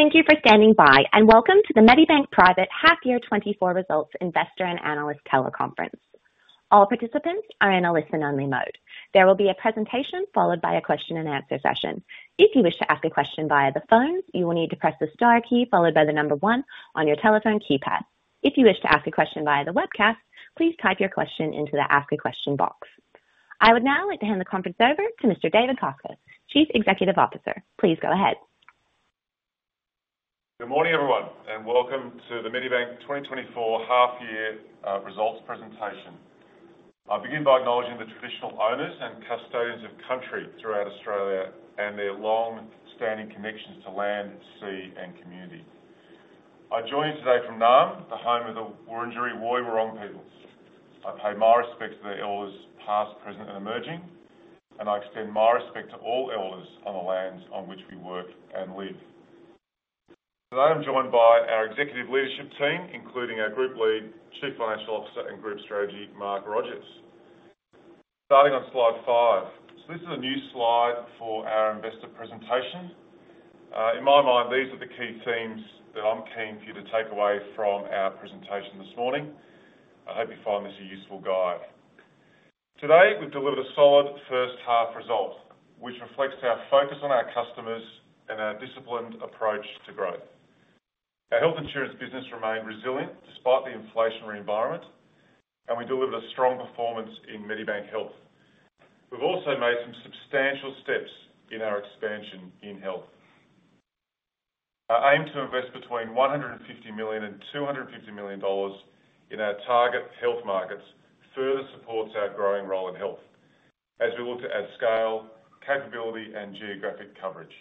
Thank you for standing by, and welcome to the Medibank Private Half Year 2024 Results Investor and Analyst Teleconference. All participants are in a listen-only mode. There will be a presentation followed by a question and answer session. If you wish to ask a question via the phone, you will need to press the star key followed by the number one on your telephone keypad. If you wish to ask a question via the webcast, please type your question into the Ask a Question box. I would now like to hand the conference over to Mr. David Koczkar, Chief Executive Officer. Please go ahead. Good morning, everyone, and welcome to the Medibank 2024 half year results presentation. I'll begin by acknowledging the traditional owners and custodians of country throughout Australia and their long-standing connections to land, sea, and community. I join you today from Naarm, the home of the Wurundjeri Woi-wurrung people. I pay my respects to the elders, past, present, and emerging, and I extend my respect to all elders on the lands on which we work and live. Today, I'm joined by our executive leadership team, including our Group Lead, Chief Financial Officer, and Group Strategy, Mark Rogers. Starting on slide 5. So this is a new slide for our investor presentation. In my mind, these are the key themes that I'm keen for you to take away from our presentation this morning. I hope you find this a useful guide. Today, we've delivered a solid first half result, which reflects our focus on our customers and our disciplined approach to growth. Our health insurance business remained resilient despite the inflationary environment, and we delivered a strong performance in Medibank Health. We've also made some substantial steps in our expansion in health. Our aim to invest between 150 million and 250 million dollars in our target health markets further supports our growing role in health as we look to add scale, capability, and geographic coverage.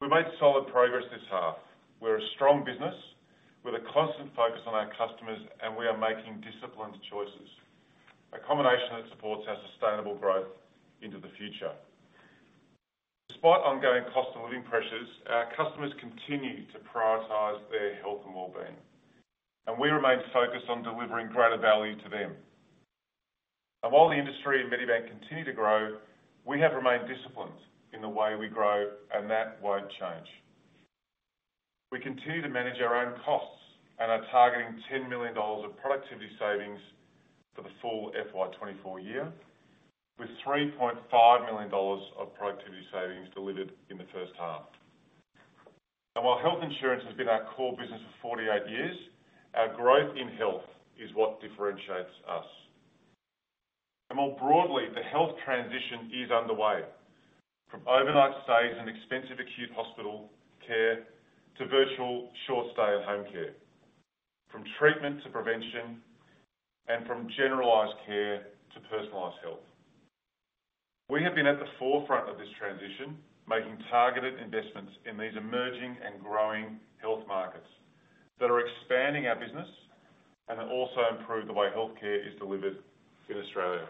We made solid progress this half. We're a strong business with a constant focus on our customers, and we are making disciplined choices, a combination that supports our sustainable growth into the future. Despite ongoing cost of living pressures, our customers continue to prioritize their health and wellbeing, and we remain focused on delivering greater value to them. While the industry and Medibank continue to grow, we have remained disciplined in the way we grow, and that won't change. We continue to manage our own costs and are targeting 10 million dollars of productivity savings for the full FY 2024 year, with 3.5 million dollars of productivity savings delivered in the first half. While health insurance has been our core business for 48 years, our growth in health is what differentiates us. More broadly, the health transition is underway. From overnight stays in expensive acute hospital care to virtual short stay at home care, from treatment to prevention, and from generalized care to personalized health. We have been at the forefront of this transition, making targeted investments in these emerging and growing health markets that are expanding our business and that also improve the way healthcare is delivered in Australia.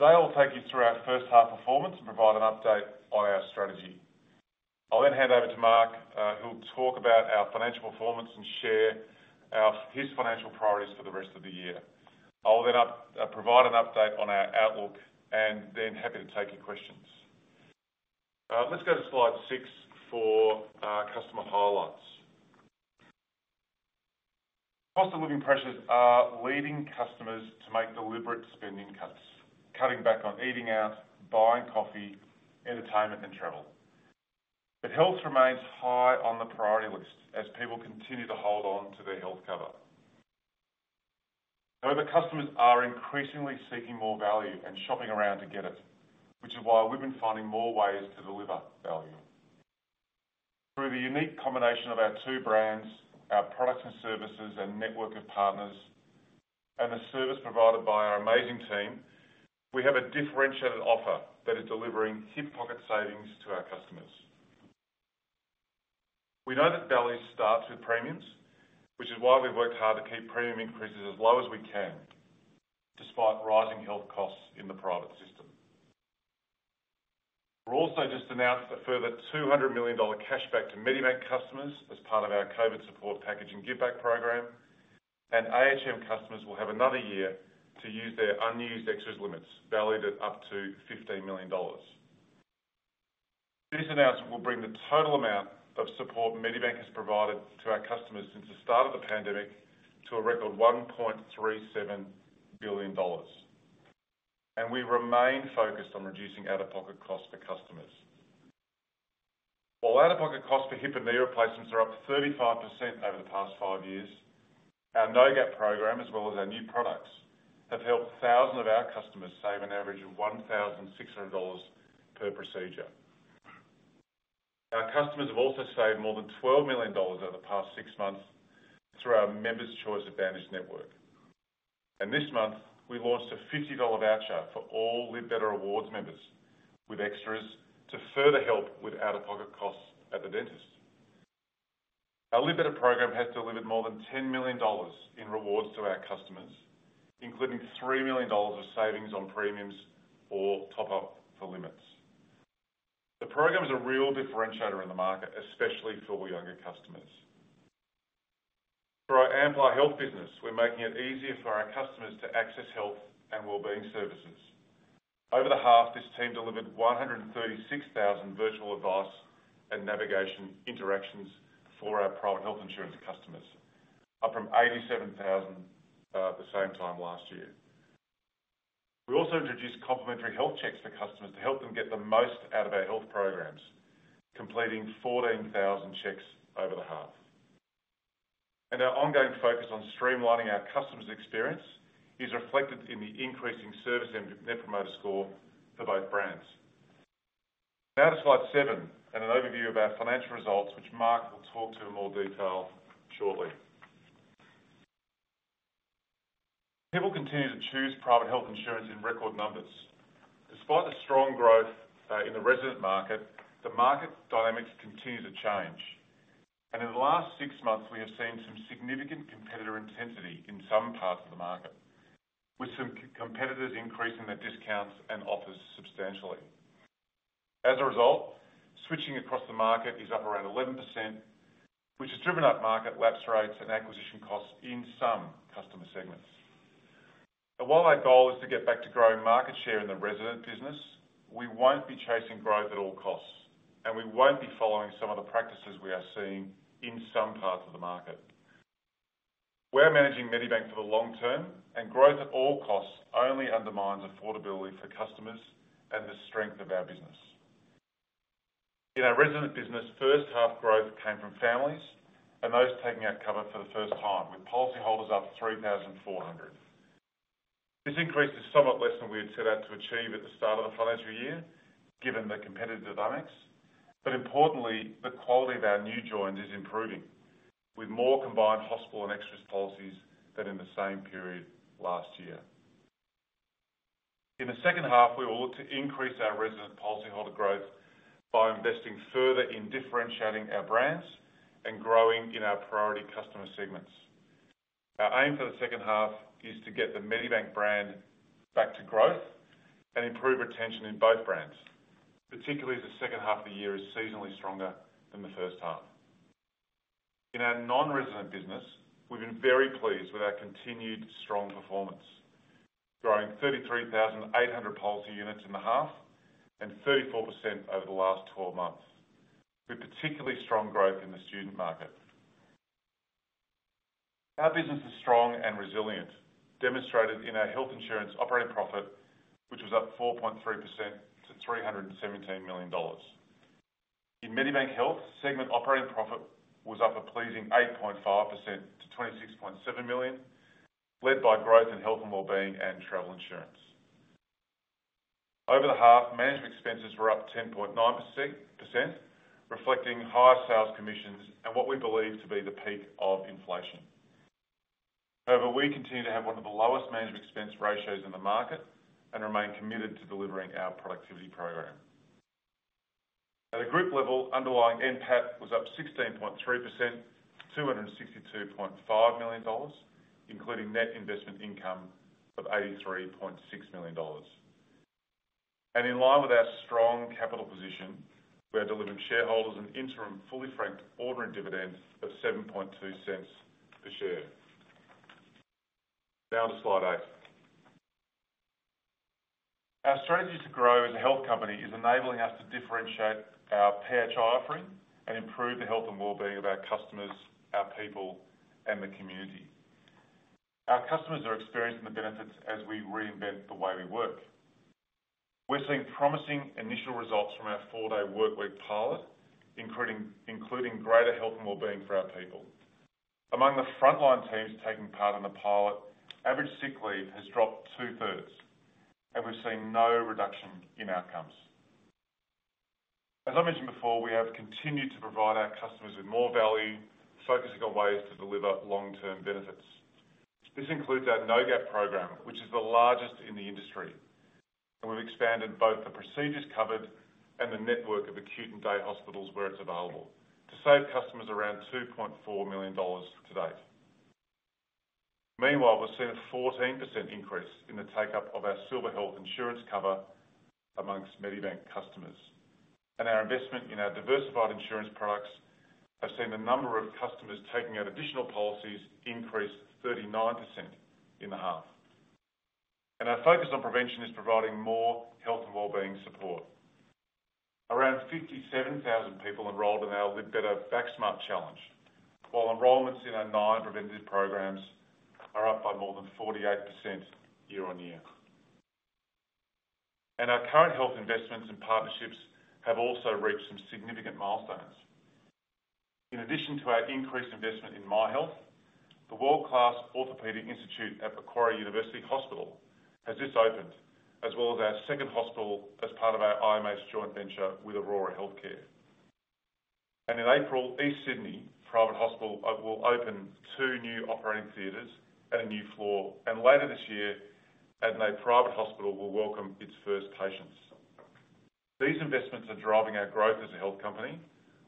Today, I'll take you through our first half performance and provide an update on our strategy. I'll then hand over to Mark, who'll talk about our financial performance and share his financial priorities for the rest of the year. I'll then provide an update on our outlook and then happy to take your questions. Let's go to slide 6 for customer highlights. Cost of living pressures are leading customers to make deliberate spending cuts, cutting back on eating out, buying coffee, entertainment, and travel. But health remains high on the priority list as people continue to hold on to their health cover. However, customers are increasingly seeking more value and shopping around to get it, which is why we've been finding more ways to deliver value. Through the unique combination of our two brands, our products and services, and network of partners, and the service provided by our amazing team, we have a differentiated offer that is delivering hip pocket savings to our customers. We know that value starts with premiums, which is why we've worked hard to keep premium increases as low as we can, despite rising health costs in the private system. We're also just announced a further 200 million dollar cashback to Medibank customers as part of our COVID support package and giveback program, and ahm customers will have another year to use their unused extras limits, valued at up to 15 million dollars. This announcement will bring the total amount of support Medibank has provided to our customers since the start of the pandemic to a record 1.37 billion dollars, and we remain focused on reducing out-of-pocket costs for customers. While out-of-pocket costs for hip and knee replacements are up to 35% over the past five years, our No Gap program, as well as our new products, have helped thousands of our customers save an average of 1,600 dollars per procedure. Our customers have also saved more than 12 million dollars over the past six months through our Members' Choice Advantage network. This month, we've launched a 50 dollar voucher for all Live Better Rewards members with extras to further help with out-of-pocket costs at the dentist. Our Live Better program has delivered more than 10 million dollars in rewards to our customers, including 3 million dollars of savings on premiums or top-up for limits. The program is a real differentiator in the market, especially for younger customers. For our Amplar Health business, we're making it easier for our customers to access health and wellbeing services. Over the half, this team delivered 136,000 virtual advice and navigation interactions for our private health insurance customers, up from 87,000 the same time last year. We also introduced complimentary health checks for customers to help them get the most out of our health programs, completing 14,000 checks over the half. Our ongoing focus on streamlining our customers' experience is reflected in the increasing service and Net Promoter Score for both brands. Now to slide seven, and an overview of our financial results, which Mark will talk to in more detail shortly. People continue to choose private health insurance in record numbers. Despite the strong growth in the resident market, the market dynamics continue to change. And in the last six months, we have seen some significant competitor intensity in some parts of the market, with some competitors increasing their discounts and offers substantially. As a result, switching across the market is up around 11%, which has driven up market lapse rates and acquisition costs in some customer segments. And while our goal is to get back to growing market share in the resident business, we won't be chasing growth at all costs, and we won't be following some of the practices we are seeing in some parts of the market. We're managing Medibank for the long term, and growth at all costs only undermines affordability for customers and the strength of our business. In our resident business, first half growth came from families and those taking out cover for the first time, with policyholders up 3,400. This increase is somewhat less than we had set out to achieve at the start of the financial year, given the competitive dynamics. But importantly, the quality of our new joins is improving, with more combined hospital and extras policies than in the same period last year. In the second half, we will look to increase our resident policyholder growth by investing further in differentiating our brands and growing in our priority customer segments. Our aim for the second half is to get the Medibank brand back to growth and improve retention in both brands, particularly as the second half of the year is seasonally stronger than the first half. In our non-resident business, we've been very pleased with our continued strong performance, growing 33,800 policy units in the half and 34% over the last 12 months, with particularly strong growth in the student market. Our business is strong and resilient, demonstrated in our health insurance operating profit, which was up 4.3% to 317 million dollars. In Medibank Health, segment operating profit was up a pleasing 8.5% to 26.7 million, led by growth in health and wellbeing and travel insurance. Over the half, management expenses were up 10.9%, reflecting higher sales commissions and what we believe to be the peak of inflation. However, we continue to have one of the lowest management expense ratios in the market and remain committed to delivering our productivity program. At a group level, underlying NPAT was up 16.3% to 262.5 million dollars, including net investment income of 83.6 million dollars. In line with our strong capital position, we are delivering shareholders an interim, fully franked, ordinary dividend of 0.072 per share. Down to slide eight. Our strategy to grow as a health company is enabling us to differentiate our PHI offering and improve the health and wellbeing of our customers, our people, and the community. Our customers are experiencing the benefits as we reinvent the way we work. We're seeing promising initial results from our four-day workweek pilot, including greater health and wellbeing for our people. Among the frontline teams taking part in the pilot, average sick leave has dropped two-thirds, and we've seen no reduction in outcomes. As I mentioned before, we have continued to provide our customers with more value, focusing on ways to deliver long-term benefits. This includes our No Gap program, which is the largest in the industry, and we've expanded both the procedures covered and the network of acute and day hospitals where it's available, to save customers around 2.4 million dollars to date. Meanwhile, we've seen a 14% increase in the take-up of our Silver health insurance cover among Medibank customers, and our investment in our diversified insurance products have seen the number of customers taking out additional policies increase 39% in the half. Our focus on prevention is providing more health and well-being support. Around 57,000 people enrolled in our Live Better Back Smart challenge, while enrollments in our nine preventative programs are up by more than 48% year-on-year. Our current health investments and partnerships have also reached some significant milestones. In addition to our increased investment in Myhealth, the world-class Orthopaedic Institute at Macquarie University Hospital has just opened, as well as our second hospital as part of our iMH joint venture with Aurora Healthcare. In April, East Sydney Private Hospital will open two new operating theaters and a new floor, and later this year, Adelaide Private Hospital will welcome its first patients. These investments are driving our growth as a health company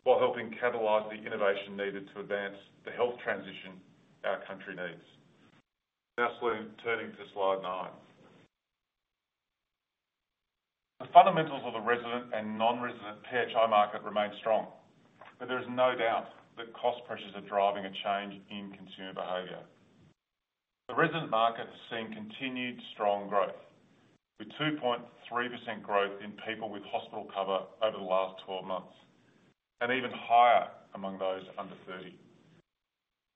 while helping catalyze the innovation needed to advance the health transition our country needs. Now turning to slide nine. The fundamentals of the resident and non-resident PHI market remain strong, but there is no doubt that cost pressures are driving a change in consumer behavior. The resident market has seen continued strong growth, with 2.3% growth in people with hospital cover over the last 12 months, and even higher among those under 30.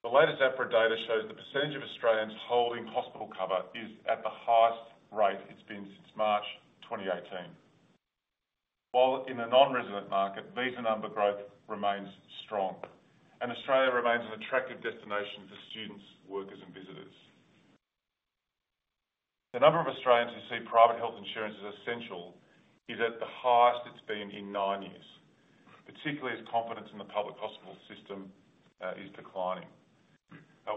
The latest APRA data shows the percentage of Australians holding hospital cover is at the highest rate it's been since March 2018. While in the non-resident market, visa number growth remains strong, and Australia remains an attractive destination for students, workers, and visitors. The number of Australians who see private health insurance as essential is at the highest it's been in nine years, particularly as confidence in the public hospital system is declining.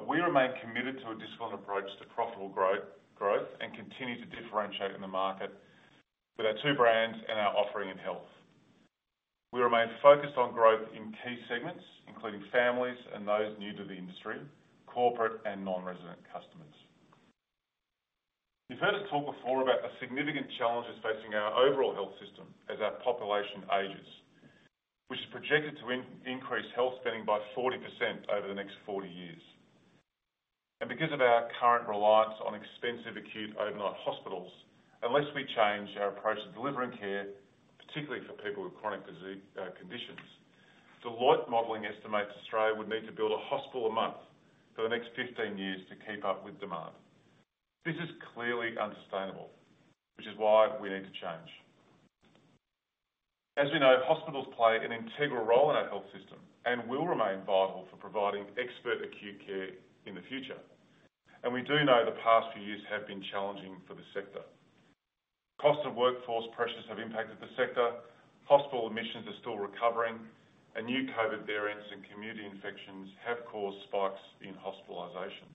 We remain committed to a disciplined approach to profitable growth, and continue to differentiate in the market with our two brands and our offering in health. We remain focused on growth in key segments, including families and those new to the industry, corporate and non-resident customers. You've heard us talk before about the significant challenges facing our overall health system as our population ages, which is projected to increase health spending by 40% over the next 40 years. Because of our current reliance on expensive, acute, overnight hospitals, unless we change our approach to delivering care, particularly for people with chronic disease conditions, Deloitte modeling estimates Australia would need to build a hospital a month for the next 15 years to keep up with demand. This is clearly unsustainable, which is why we need to change. As we know, hospitals play an integral role in our health system and will remain vital for providing expert acute care in the future, and we do know the past few years have been challenging for the sector. Cost and workforce pressures have impacted the sector, hospital admissions are still recovering, and new COVID variants and community infections have caused spikes in hospitalization.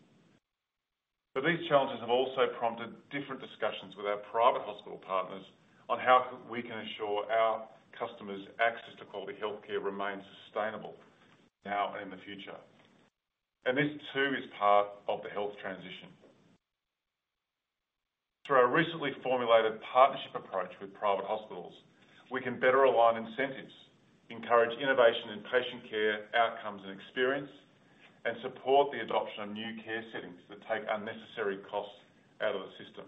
But these challenges have also prompted different discussions with our private hospital partners on how we can ensure our customers' access to quality health care remains sustainable, now and in the future. And this, too, is part of the health transition. Through our recently formulated partnership approach with private hospitals, we can better align incentives, encourage innovation in patient care, outcomes, and experience, and support the adoption of new care settings that take unnecessary costs out of the system.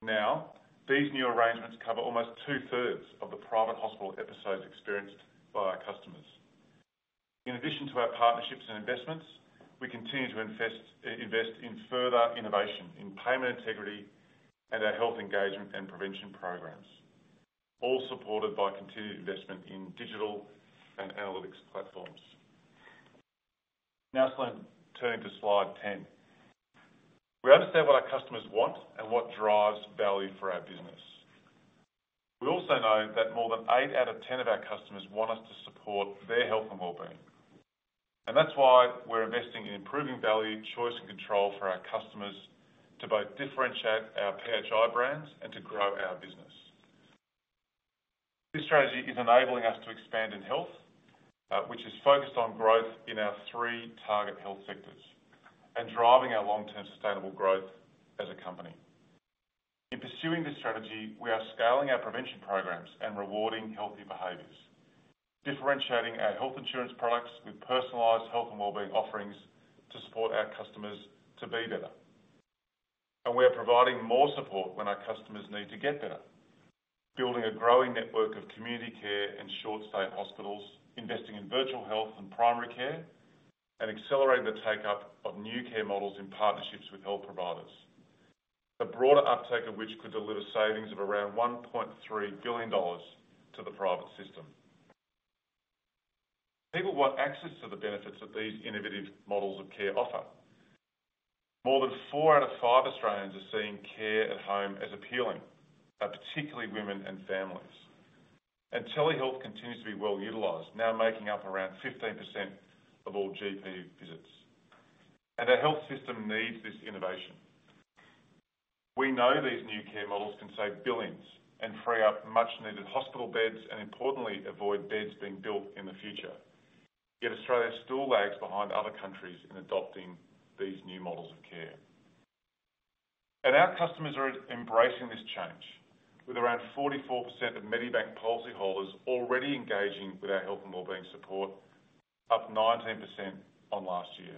Now, these new arrangements cover almost two-thirds of the private hospital episodes experienced by our customers. In addition to our partnerships and investments, we continue to invest in further innovation, in payment integrity, and our health engagement and prevention programs, all supported by continued investment in digital and analytics platforms. Now let's turn to slide 10. We understand what our customers want and what drives value for our business. We also know that more than eight out of ten of our customers want us to support their health and wellbeing, and that's why we're investing in improving value, choice, and control for our customers to both differentiate our PHI brands and to grow our business. This strategy is enabling us to expand in health, which is focused on growth in our three target health sectors and driving our long-term sustainable growth as a company. In pursuing this strategy, we are scaling our prevention programs and rewarding healthy behaviors, differentiating our health insurance products with personalized health and wellbeing offerings to support our customers to be better. We are providing more support when our customers need to get better, building a growing network of community care and short-stay hospitals, investing in virtual health and primary care, and accelerating the take-up of new care models in partnerships with health providers. The broader uptake of which could deliver savings of around 1.3 billion dollars to the private system. People want access to the benefits that these innovative models of care offer. More than four out of five Australians are seeing care at home as appealing, particularly women and families. Telehealth continues to be well-utilized, now making up around 15% of all GP visits, and our health system needs this innovation. We know these new care models can save billions and free up much-needed hospital beds, and importantly, avoid beds being built in the future. Yet Australia still lags behind other countries in adopting these new models of care. Our customers are embracing this change, with around 44% of Medibank policyholders already engaging with our health and wellbeing support, up 19% on last year.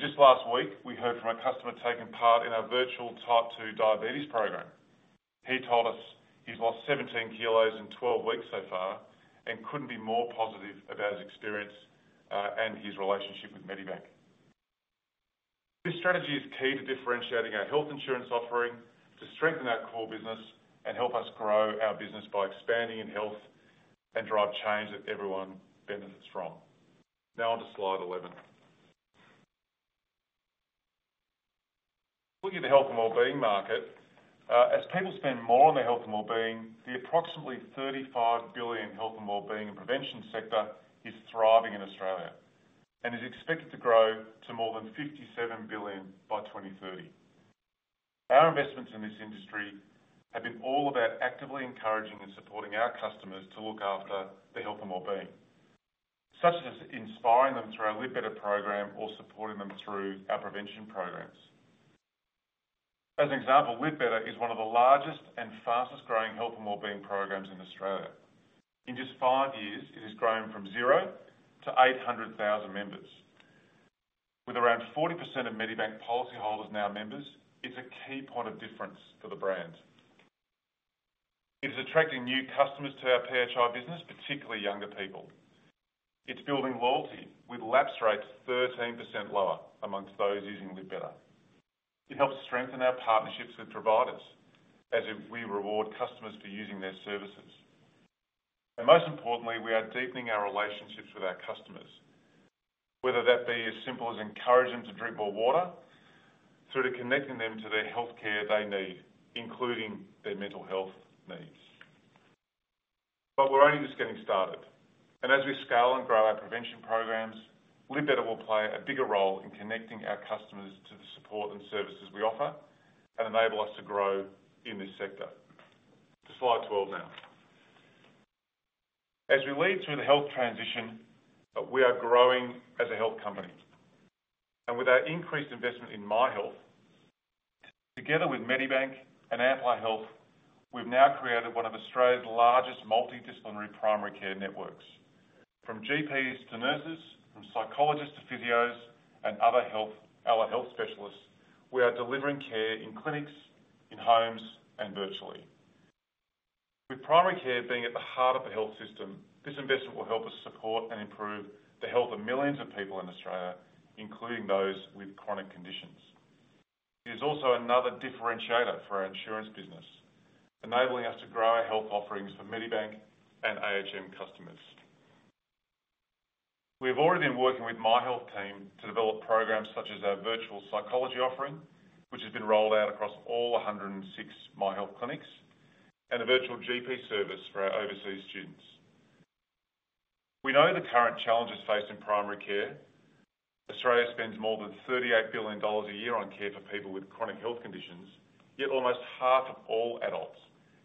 Just last week, we heard from a customer taking part in our virtual type two diabetes program. He told us he's lost 17 kg in 12 weeks so far, and couldn't be more positive about his experience, and his relationship with Medibank. This strategy is key to differentiating our health insurance offering, to strengthen our core business, and help us grow our business by expanding in health and drive change that everyone benefits from. Now, on to slide 11. Looking at the health and wellbeing market, as people spend more on their health and wellbeing, the approximately 35 billion health and wellbeing and prevention sector is thriving in Australia and is expected to grow to more than 57 billion by 2030. Our investments in this industry have been all about actively encouraging and supporting our customers to look after their health and wellbeing, such as inspiring them through our Live Better program or supporting them through our prevention programs. As an example, Live Better is one of the largest and fastest-growing health and wellbeing programs in Australia. In just five years, it has grown from 0 to 800,000 members. With around 40% of Medibank policyholders now members, it's a key point of difference for the brand. It is attracting new customers to our PHI business, particularly younger people. It's building loyalty, with lapse rates 13% lower among those using Live Better. It helps strengthen our partnerships with providers, as if we reward customers for using their services. And most importantly, we are deepening our relationships with our customers, whether that be as simple as encouraging them to drink more water, through to connecting them to their healthcare they need, including their mental health needs. But we're only just getting started, and as we scale and grow our prevention programs, Live Better will play a bigger role in connecting our customers to the support and services we offer and enable us to grow in this sector. To slide 12 now. As we lead through the health transition, we are growing as a health company. With our increased investment in Myhealth, together with Medibank and Amplar Health, we've now created one of Australia's largest multidisciplinary primary care networks. From GPs to nurses, from psychologists to physios, and other health, other health specialists, we are delivering care in clinics, in homes, and virtually. With primary care being at the heart of the health system, this investment will help us support and improve the health of millions of people in Australia, including those with chronic conditions. It is also another differentiator for our insurance business, enabling us to grow our health offerings for Medibank and ahm customers. We have already been working with Myhealth team to develop programs such as our virtual psychology offering, which has been rolled out across all 106 Myhealth clinics, and a virtual GP service for our overseas students. We know the current challenges faced in primary care. Australia spends more than 38 billion dollars a year on care for people with chronic health conditions, yet almost half of all adults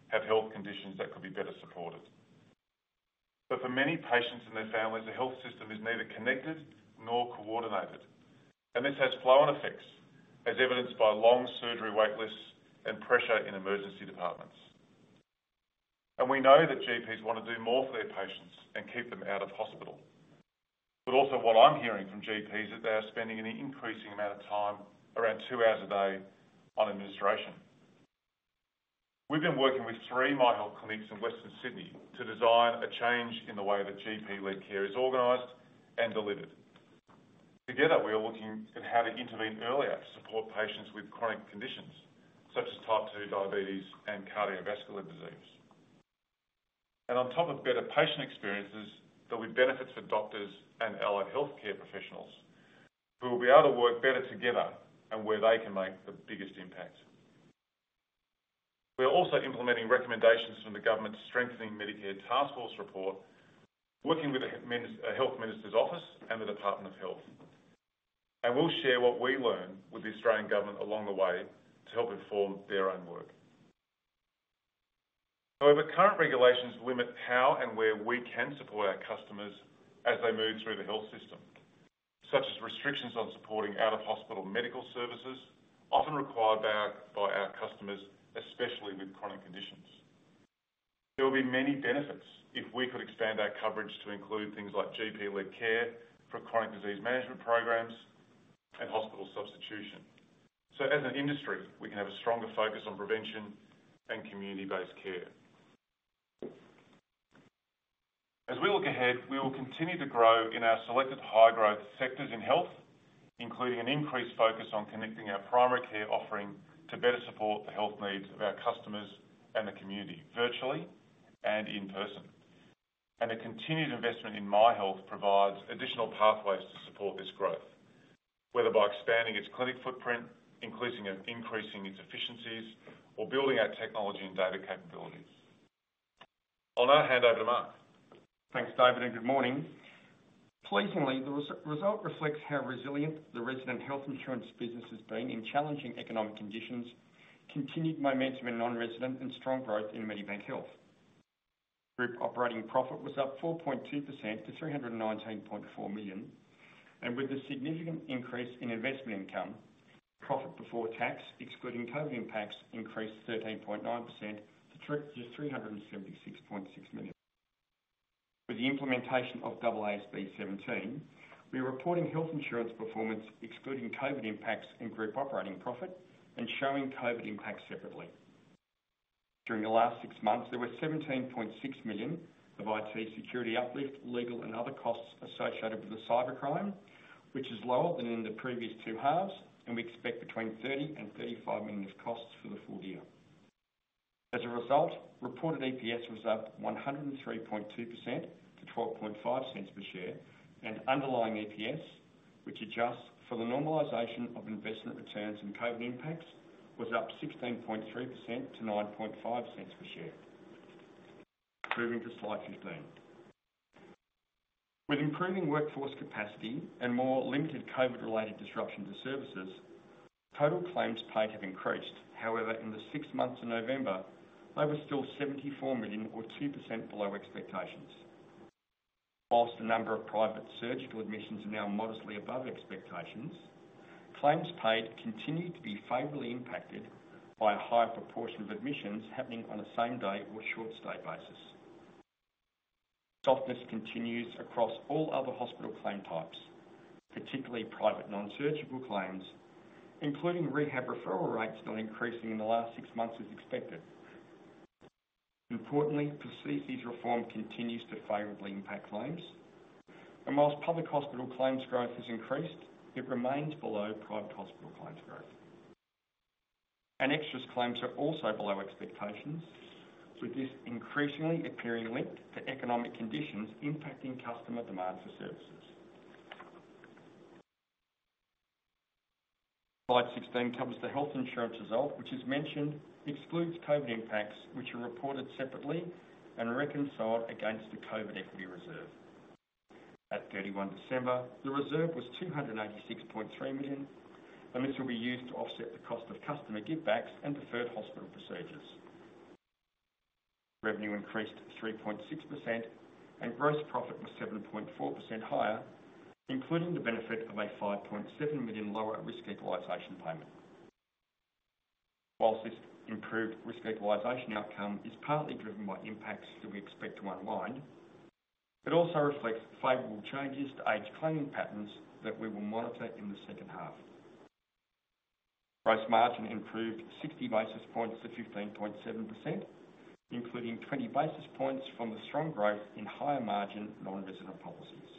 have health conditions that could be better supported. But for many patients and their families, the health system is neither connected nor coordinated, and this has flow-on effects, as evidenced by long surgery wait lists and pressure in emergency departments. And we know that GPs want to do more for their patients and keep them out of hospital. But also, what I'm hearing from GPs is that they are spending an increasing amount of time, around two hours a day, on administration. We've been working with three Myhealth clinics in Western Sydney to design a change in the way that GP-led care is organized and delivered. Together, we are looking at how to intervene earlier to support patients with chronic conditions such as type 2 diabetes and cardiovascular disease. And on top of better patient experiences, there'll be benefits for doctors and allied healthcare professionals, who will be able to work better together and where they can make the biggest impact. We are also implementing recommendations from the government's Strengthening Medicare Task Force Report, working with the Health Minister's office and the Department of Health. And we'll share what we learn with the Australian government along the way to help inform their own work. However, current regulations limit how and where we can support our customers as they move through the health system, such as restrictions on supporting out-of-hospital medical services, often required by our, by our customers, especially with chronic conditions. There will be many benefits if we could expand our coverage to include things like GP-led care for chronic disease management programs and hospital substitution, so as an industry, we can have a stronger focus on prevention and community-based care. As we look ahead, we will continue to grow in our selected high-growth sectors in health, including an increased focus on connecting our primary care offering to better support the health needs of our customers and the community, virtually and in person. And a continued investment in Myhealth provides additional pathways to support this growth, whether by expanding its clinic footprint, increasing its efficiencies, or building our technology and data capabilities. I'll now hand over to Mark. Thanks, David, and good morning. Pleasingly, the result reflects how resilient the resident health insurance business has been in challenging economic conditions, continued momentum in non-resident, and strong growth in Medibank Health. Group operating profit was up 4.2% to 319.4 million, and with a significant increase in investment income, profit before tax, excluding COVID impacts, increased 13.9% to 376.6 million. With the implementation of AASB 17, we are reporting health insurance performance excluding COVID impacts and group operating profit and showing COVID impacts separately. During the last six months, there were 17.6 million of IT security uplift, legal, and other costs associated with the cybercrime, which is lower than in the previous two halves, and we expect between 30 million and 35 million of costs for the full year. As a result, reported EPS was up 103.2% to 0.125 per share, and underlying EPS, which adjusts for the normalization of investment returns and COVID impacts, was up 16.3% to 0.095 per share. Moving to slide 15. With improving workforce capacity and more limited COVID-related disruptions to services. Total claims paid have increased. However, in the six months of November, they were still 74 million or 2% below expectations. While the number of private surgical admissions are now modestly above expectations, claims paid continue to be favorably impacted by a higher proportion of admissions happening on a same-day or short-stay basis. Softness continues across all other hospital claim types, particularly private non-surgical claims, including rehab referral rates not increasing in the last six months as expected. Importantly, procedures reform continues to favorably impact claims, and while public hospital claims growth has increased, it remains below private hospital claims growth. Extras claims are also below expectations, with this increasingly appearing linked to economic conditions impacting customer demand for services. Slide 16 covers the health insurance result, which, as mentioned, excludes COVID impacts, which are reported separately and reconciled against the COVID Equity Reserve. At 31 December, the reserve was 286.3 million, and this will be used to offset the cost of customer givebacks and deferred hospital procedures. Revenue increased 3.6%, and gross profit was 7.4% higher, including the benefit of a 5.7 million lower risk equalization payment. While this improved risk equalization outcome is partly driven by impacts that we expect to unwind, it also reflects favorable changes to age claiming patterns that we will monitor in the second half. Price margin improved 60 basis points to 15.7%, including 20 basis points from the strong growth in higher-margin non-resident policies.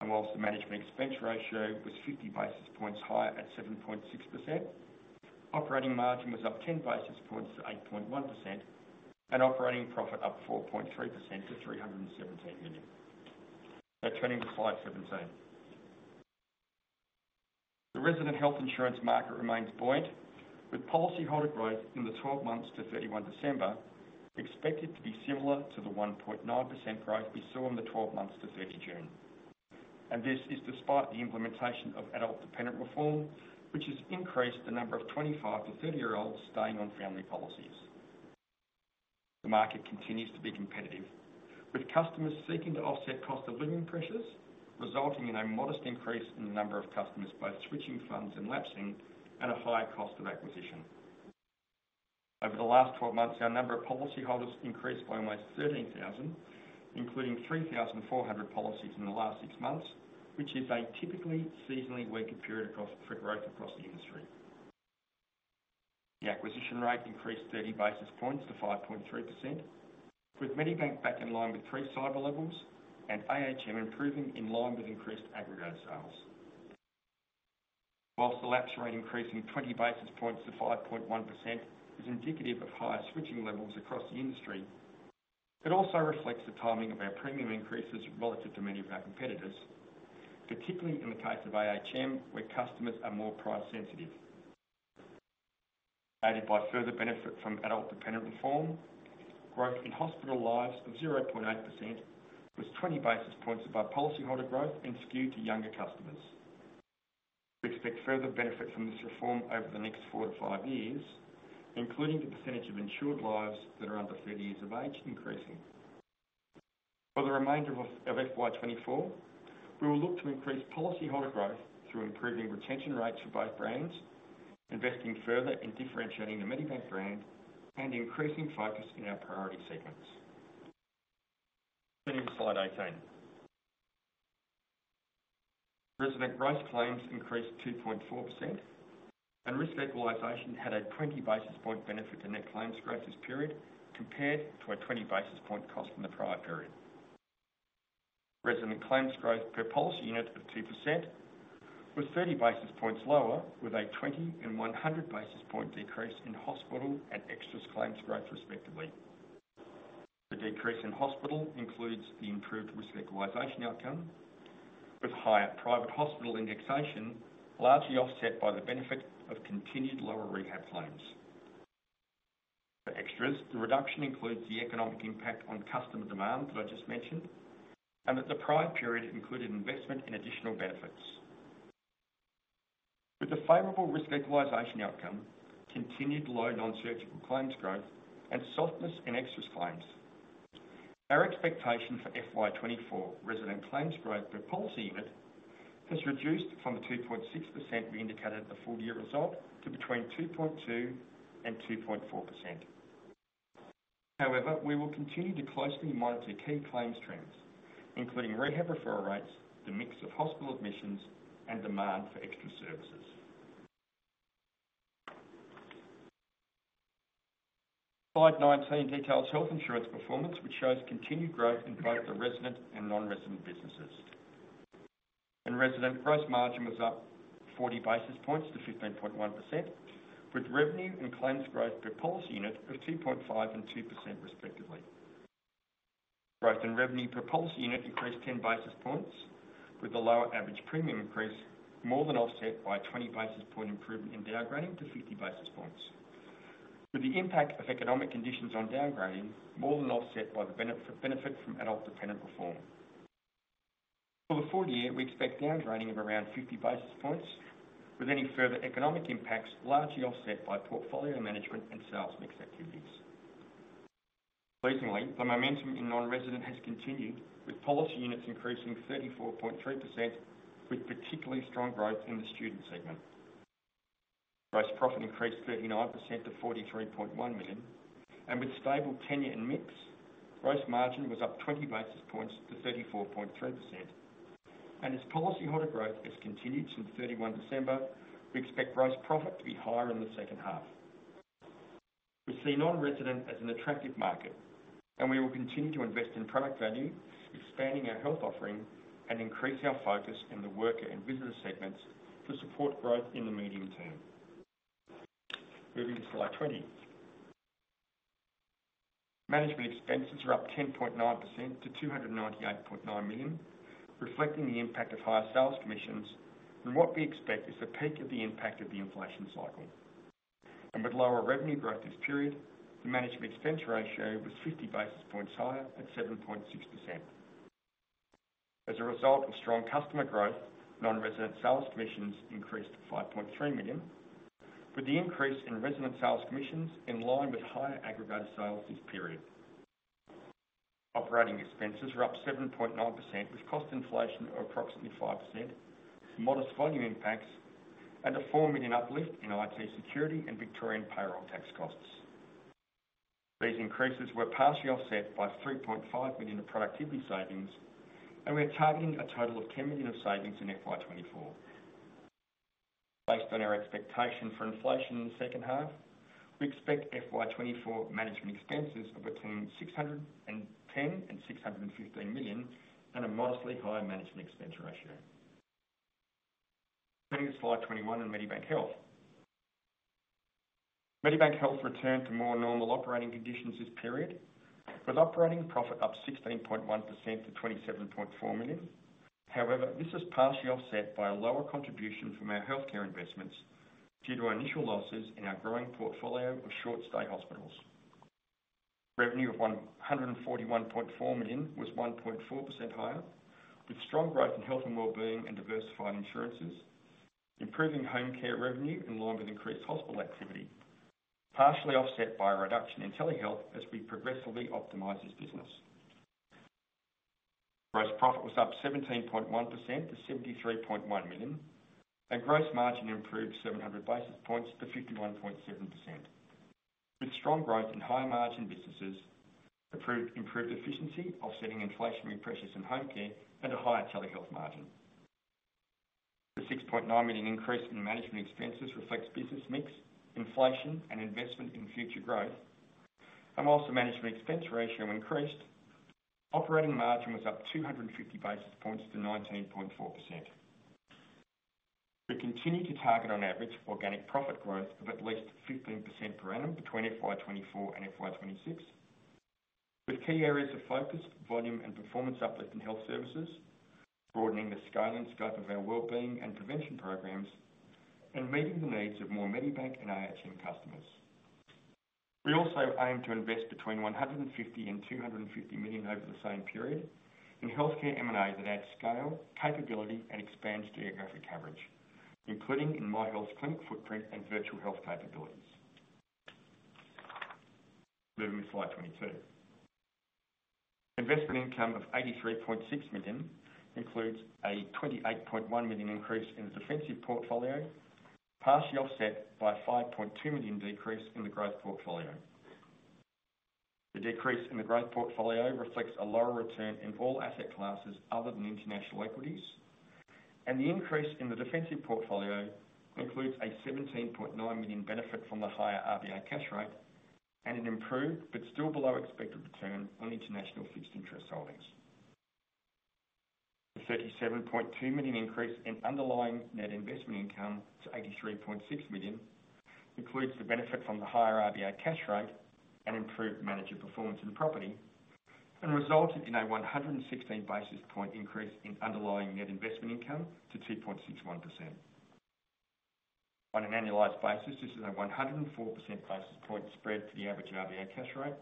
And while the management expense ratio was 50 basis points higher at 7.6%, operating margin was up 10 basis points to 8.1%, and operating profit up 4.3% to 317 million. Now, turning to slide 17. The resident health insurance market remains buoyant, with policyholder growth in the 12 months to 31 December expected to be similar to the 1.9% growth we saw in the 12 months to 30 June. And this is despite the implementation of adult dependent reform, which has increased the number of 25- to 30-year-olds staying on family policies. The market continues to be competitive, with customers seeking to offset cost of living pressures, resulting in a modest increase in the number of customers, both switching funds and lapsing at a higher cost of acquisition. Over the last 12 months, our number of policyholders increased by almost 13,000, including 3,400 policies in the last six months, which is a typically seasonally weaker period across the industry for growth. The acquisition rate increased 30 basis points to 5.3%, with Medibank back in line with pre-cyber levels and ahm improving in line with increased aggregate sales. While the lapse rate increased in 20 basis points to 5.1% is indicative of higher switching levels across the industry, it also reflects the timing of our premium increases relative to many of our competitors, particularly in the case of ahm, where customers are more price sensitive. Aided by further benefit from adult dependent reform, growth in hospital lives of 0.8% was 20 basis points above policyholder growth and skewed to younger customers. We expect further benefit from this reform over the next four to five years, including the percentage of insured lives that are under 30 years of age increasing. For the remainder of FY 2024, we will look to increase policyholder growth through improving retention rates for both brands, investing further in differentiating the Medibank brand, and increasing focus in our priority segments. Turning to slide 18. Resident gross claims increased 2.4%, and risk equalization had a 20 basis point benefit to net claims growth this period, compared to a 20 basis point cost in the prior period. Resident claims growth per policy unit of 2% was 30 basis points lower, with a 20 and 100 basis point decrease in hospital and extras claims growth, respectively. The decrease in hospital includes the improved risk equalization outcome, with higher private hospital indexation largely offset by the benefit of continued lower rehab claims. For extras, the reduction includes the economic impact on customer demand that I just mentioned, and that the prior period included investment in additional benefits. With the favorable risk equalization outcome, continued low non-surgical claims growth, and softness in extras claims, our expectation for FY 2024 resident claims growth per policy unit has reduced from the 2.6% we indicated at the full year result to between 2.2% and 2.4%. However, we will continue to closely monitor key claims trends, including rehab referral rates, the mix of hospital admissions, and demand for extra services. Slide 19 details health insurance performance, which shows continued growth in both the resident and non-resident businesses. In resident, gross margin was up 40 basis points to 15.1%, with revenue and claims growth per policy unit of 2.5% and 2%, respectively. Growth in revenue per policy unit increased 10 basis points, with the lower average premium increase more than offset by a 20 basis point improvement in downgrading to 50 basis points. With the impact of economic conditions on downgrading more than offset by the benefit from Adult Dependent Reform. For the full year, we expect downgrading of around 50 basis points, with any further economic impacts largely offset by portfolio management and sales mix activities. Recently, the momentum in non-resident has continued, with policy units increasing 34.3%, with particularly strong growth in the student segment. Gross profit increased 39% to 43.1 million, and with stable tenure and mix, gross margin was up 20 basis points to 34.3%. And as policyholder growth has continued since 31 December, we expect gross profit to be higher in the second half. We see non-resident as an attractive market, and we will continue to invest in product value, expanding our health offering, and increase our focus in the worker and visitor segments to support growth in the medium term. Moving to slide 20. Management expenses are up 10.9% to 298.9 million, reflecting the impact of higher sales commissions and what we expect is the peak of the impact of the inflation cycle. And with lower revenue growth this period, the management expense ratio was 50 basis points higher at 7.6%. As a result of strong customer growth, non-resident sales commissions increased to 5.3 million, with the increase in resident sales commissions in line with higher aggregated sales this period. Operating expenses were up 7.9%, with cost inflation of approximately 5%, modest volume impacts, and an 4 million uplift in IT security and Victorian payroll tax costs. These increases were partially offset by 3.5 million of productivity savings, and we are targeting a total of 10 million of savings in FY 2024. Based on our expectation for inflation in the second half, we expect FY 2024 management expenses of between 610 million and 615 million, and a modestly higher management expense ratio. Turning to slide 21 on Medibank Health. Medibank Health returned to more normal operating conditions this period, with operating profit up 16.1% to 27.4 million. However, this is partially offset by a lower contribution from our healthcare investments due to initial losses in our growing portfolio of short-stay hospitals. Revenue of 141.4 million was 1.4% higher, with strong growth in health and well-being and diversified insurances, improving home care revenue in line with increased hospital activity, partially offset by a reduction in telehealth as we progressively optimize this business. Gross profit was up 17.1% to 73.1 million, and gross margin improved 700 basis points to 51.7%, with strong growth in higher margin businesses, improved efficiency, offsetting inflationary pressures in home care, and a higher telehealth margin. The 6.9 million increase in management expenses reflects business mix, inflation, and investment in future growth. While the management expense ratio increased, operating margin was up 250 basis points to 19.4%. We continue to target on average organic profit growth of at least 15% per annum between FY 2024 and FY 2026, with key areas of focus, volume, and performance uplift in health services, broadening the scale and scope of our well-being and prevention programs, and meeting the needs of more Medibank and ahm customers. We also aim to invest between 150 million and 250 million over the same period in healthcare M&A that adds scale, capability, and expands geographic coverage, including in Myhealth clinic footprint and virtual health capabilities. Moving to slide 22. Investment income of 83.6 million includes a 28.1 million increase in the defensive portfolio, partially offset by a 5.2 million decrease in the growth portfolio. The decrease in the growth portfolio reflects a lower return in all asset classes other than international equities, and the increase in the defensive portfolio includes a 17.9 million benefit from the higher RBA cash rate and an improved, but still below expected, return on international fixed interest holdings. The 37.2 million increase in underlying net investment income to 83.6 million includes the benefit from the higher RBA cash rate and improved manager performance in property, and resulted in a 116 basis point increase in underlying net investment income to 2.61%. On an annualized basis, this is a 104 percent basis point spread to the average RBA cash rate.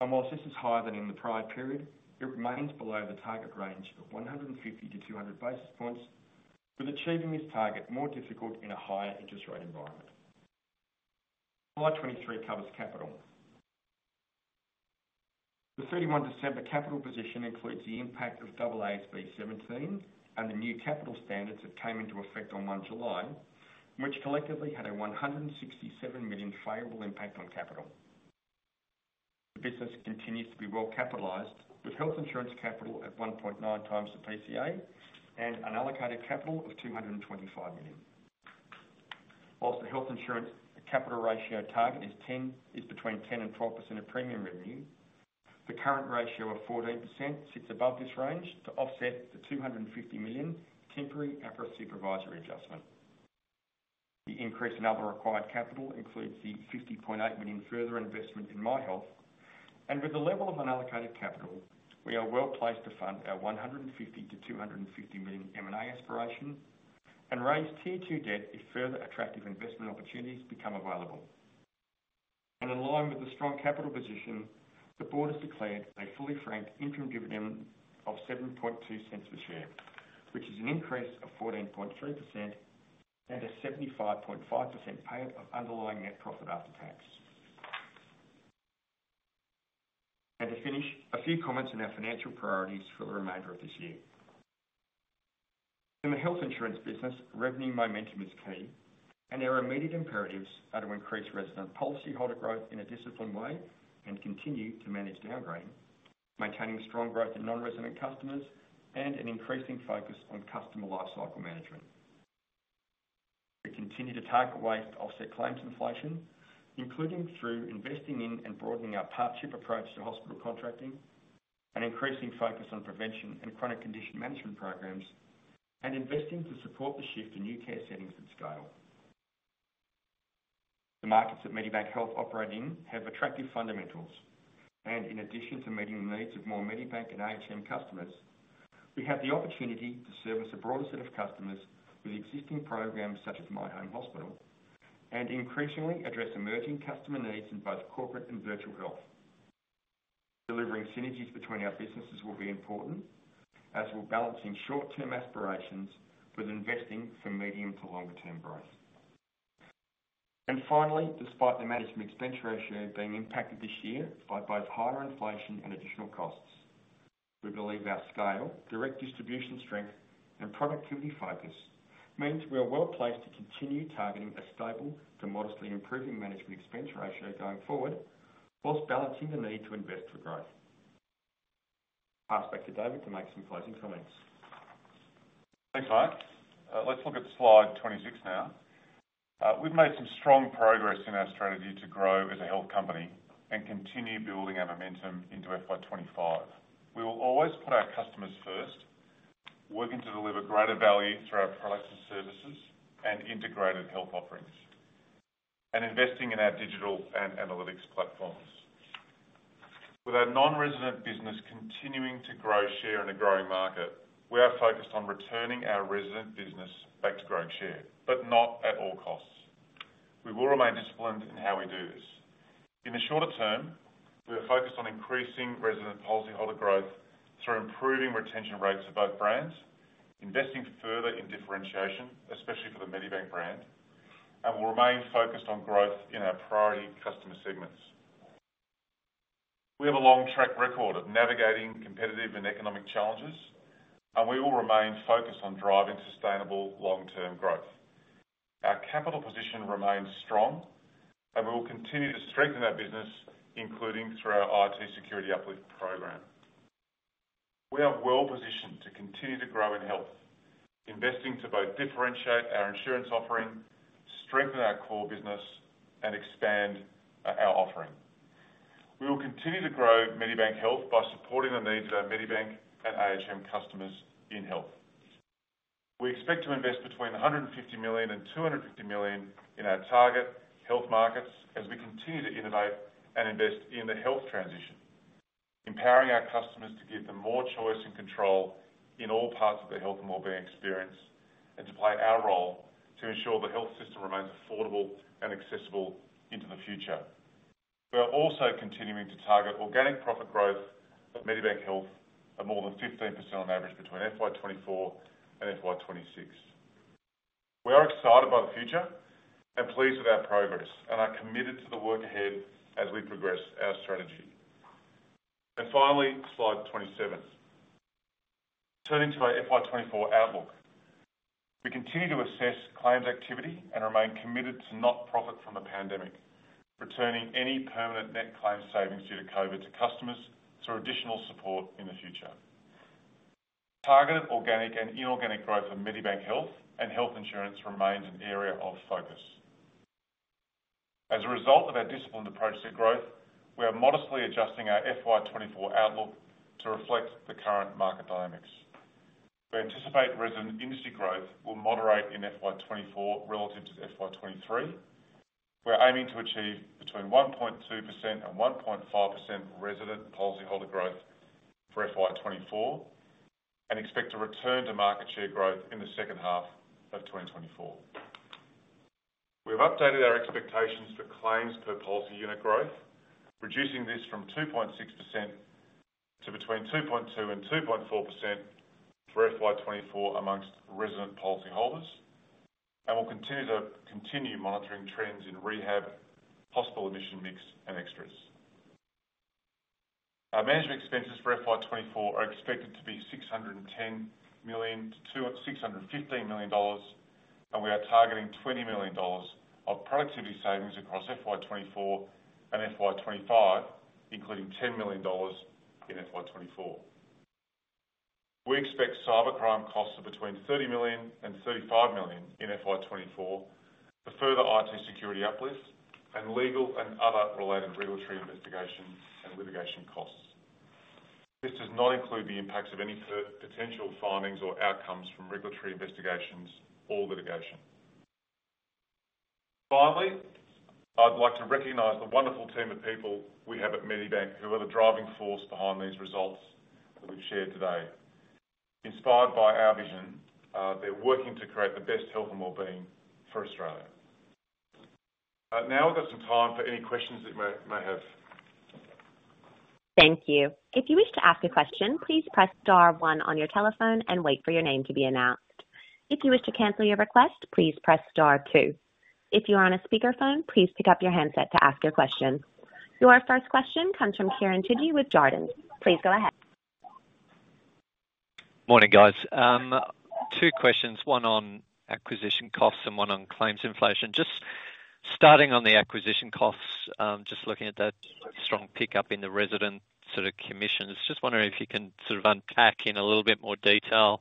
While this is higher than in the prior period, it remains below the target range of 150-200 basis points, with achieving this target more difficult in a higher interest rate environment. Slide 23 covers capital. The 31 December capital position includes the impact of AASB 17 and the new capital standards that came into effect on 1 July, which collectively had a 167 million favorable impact on capital. The business continues to be well-capitalized, with health insurance capital at 1.9 times the PCA and an allocated capital of 225 million. While the health insurance capital ratio target is between 10% and 12% of premium revenue, the current ratio of 14% sits above this range to offset the 250 million temporary APRA supervisory adjustment. The increase in other required capital includes the 50.8 million further investment in Myhealth. With the level of unallocated capital, we are well placed to fund our 150-250 million M&A aspiration and raise Tier 2 debt if further attractive investment opportunities become available. In line with the strong capital position, the board has declared a fully franked interim dividend of 0.072 per share, which is an increase of 14.3% and a 75.5% payout of underlying net profit after tax. To finish, a few comments on our financial priorities for the remainder of this year. In the health insurance business, revenue momentum is key, and our immediate imperatives are to increase resident policyholder growth in a disciplined way and continue to manage downgrading, maintaining strong growth in non-resident customers, and an increasing focus on customer lifecycle management. We continue to target ways to offset claims inflation, including through investing in and broadening our partnership approach to hospital contracting, and increasing focus on prevention and chronic condition management programs, and investing to support the shift to new care settings and scale. The markets that Medibank Health operate in have attractive fundamentals, and in addition to meeting the needs of more Medibank and ahm customers, we have the opportunity to service a broader set of customers with existing programs such as My Home Hospital, and increasingly address emerging customer needs in both corporate and virtual health. Delivering synergies between our businesses will be important, as will balancing short-term aspirations with investing for medium to longer-term growth. And finally, despite the management expense ratio being impacted this year by both higher inflation and additional costs, we believe our scale, direct distribution strength, and productivity focus means we are well placed to continue targeting a stable to modestly improving management expense ratio going forward, while balancing the need to invest for growth. Pass back to David to make some closing comments. Thanks, Mike. Let's look at slide 26 now. We've made some strong progress in our strategy to grow as a health company and continue building our momentum into FY 2025. We will always put our customers first, working to deliver greater value through our products and services and integrated health offerings, and investing in our digital and analytics platforms. With our non-resident business continuing to grow share in a growing market, we are focused on returning our resident business back to growing share, but not at all costs. We will remain disciplined in how we do this. In the shorter term, we are focused on increasing resident policyholder growth through improving retention rates of both brands, investing further in differentiation, especially for the Medibank brand, and will remain focused on growth in our priority customer segments. We have a long track record of navigating competitive and economic challenges, and we will remain focused on driving sustainable long-term growth. Our capital position remains strong, and we will continue to strengthen our business, including through our IT security uplift program. We are well positioned to continue to grow in health, investing to both differentiate our insurance offering, strengthen our core business, and expand our offering. We will continue to grow Medibank Health by supporting the needs of our Medibank and ahm customers in health. We expect to invest between 150 million and 250 million in our target health markets as we continue to innovate and invest in the health transition, empowering our customers to give them more choice and control in all parts of their health and wellbeing experience, and to play our role to ensure the health system remains affordable and accessible into the future. We are also continuing to target organic profit growth of Medibank Health of more than 15% on average between FY 2024 and FY 2026. We are excited about the future and pleased with our progress, and are committed to the work ahead as we progress our strategy. And finally, slide 27. Turning to our FY 2024 outlook. We continue to assess claims activity and remain committed to not profit from the pandemic, returning any permanent net claims savings due to COVID to customers through additional support in the future. Targeted organic and inorganic growth of Medibank Health and health insurance remains an area of focus. As a result of our disciplined approach to growth, we are modestly adjusting our FY 2024 outlook to reflect the current market dynamics. We anticipate resident industry growth will moderate in FY 2024 relative to FY 2023. We're aiming to achieve between 1.2% and 1.5% resident policyholder growth for FY 2024, and expect to return to market share growth in the second half of 2024. We've updated our expectations for claims per policy unit growth, reducing this from 2.6% to between 2.2% and 2.4% for FY 2024 among resident policyholders, and we'll continue monitoring trends in rehab, hospital admission mix, and extras. Our management expenses for FY 2024 are expected to be 610 million to 615 million dollars, and we are targeting 20 million dollars of productivity savings across FY 2024 and FY 2025, including AUD 10 million in FY 2024. We expect cybercrime costs of between 30 million and 35 million in FY 2024, the further IT security uplift, and legal and other related regulatory investigation and litigation costs. This does not include the impacts of any further potential findings or outcomes from regulatory investigations or litigation. Finally, I'd like to recognize the wonderful team of people we have at Medibank, who are the driving force behind these results that we've shared today. Inspired by our vision, they're working to create the best health and well-being for Australia. Now we've got some time for any questions that you may have. Thank you. If you wish to ask a question, please press star one on your telephone and wait for your name to be announced. If you wish to cancel your request, please press star two. If you are on a speakerphone, please pick up your handset to ask your question. Your first question comes from Kieran Chidgey with Jarden. Please go ahead. Morning, guys. Two questions, one on acquisition costs and one on claims inflation. Just starting on the acquisition costs, just looking at that strong pickup in the resident sort of commissions, just wondering if you can sort of unpack in a little bit more detail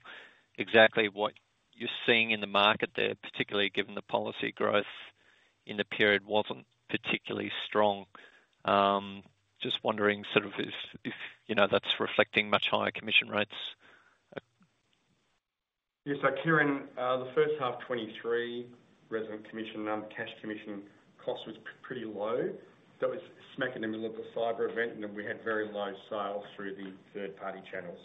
exactly what you're seeing in the market there, particularly given the policy growth in the period wasn't particularly strong. Just wondering sort of if, you know, that's reflecting much higher commission rates? Yes. So, Kieran, the first half 2023 resident commission cash commission cost was pretty low. That was smack in the middle of the cyber event, and then we had very low sales through the third-party channels.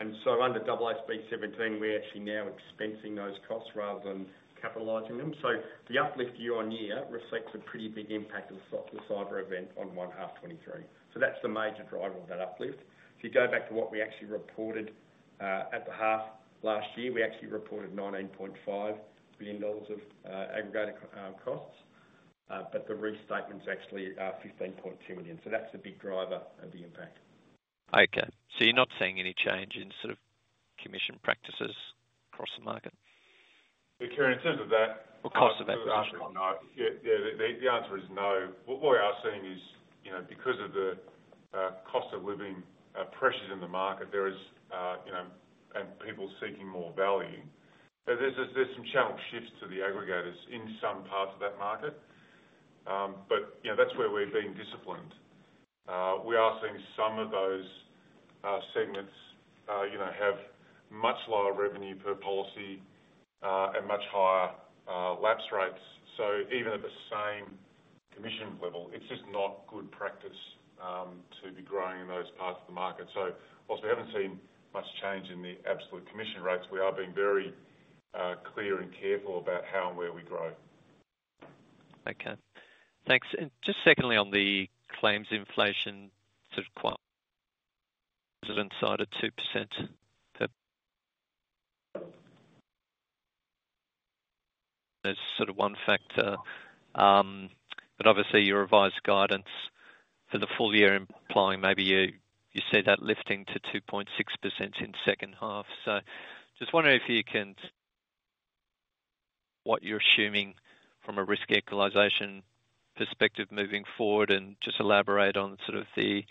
And so under AASB 17, we're actually now expensing those costs rather than capitalizing them. So the uplift year-on-year reflects a pretty big impact of the cyber event on the first half 2023. So that's the major driver of that uplift. If you go back to what we actually reported at the half last year, we actually reported 19.5 billion dollars of aggregated costs, but the restatement is actually 15.2 million. So that's a big driver of the impact. Okay. So you're not seeing any change in sort of commission practices across the market? Yeah, Kieran, in terms of that- Or cost of that? No. Yeah, yeah, the answer is no. What we are seeing is, you know, because of the cost of living pressures in the market, there is, you know, and people seeking more value. But there's some channel shifts to the aggregators in some parts of that market. But, you know, that's where we're being disciplined. We are seeing some of those segments, you know, have much lower revenue per policy and much higher lapse rates. So even at the same commission level, it's just not good practice to be growing in those parts of the market. So while we haven't seen much change in the absolute commission rates, we are being very clear and careful about how and where we grow. Okay. Thanks. And just secondly, on the claims inflation sort of quote, is it inside of 2% that... There's sort of one factor, but obviously your revised guidance for the full year implying maybe you, you see that lifting to 2.6% in second half. So just wondering if you can, what you're assuming from a risk equalization perspective moving forward, and just elaborate on sort of the,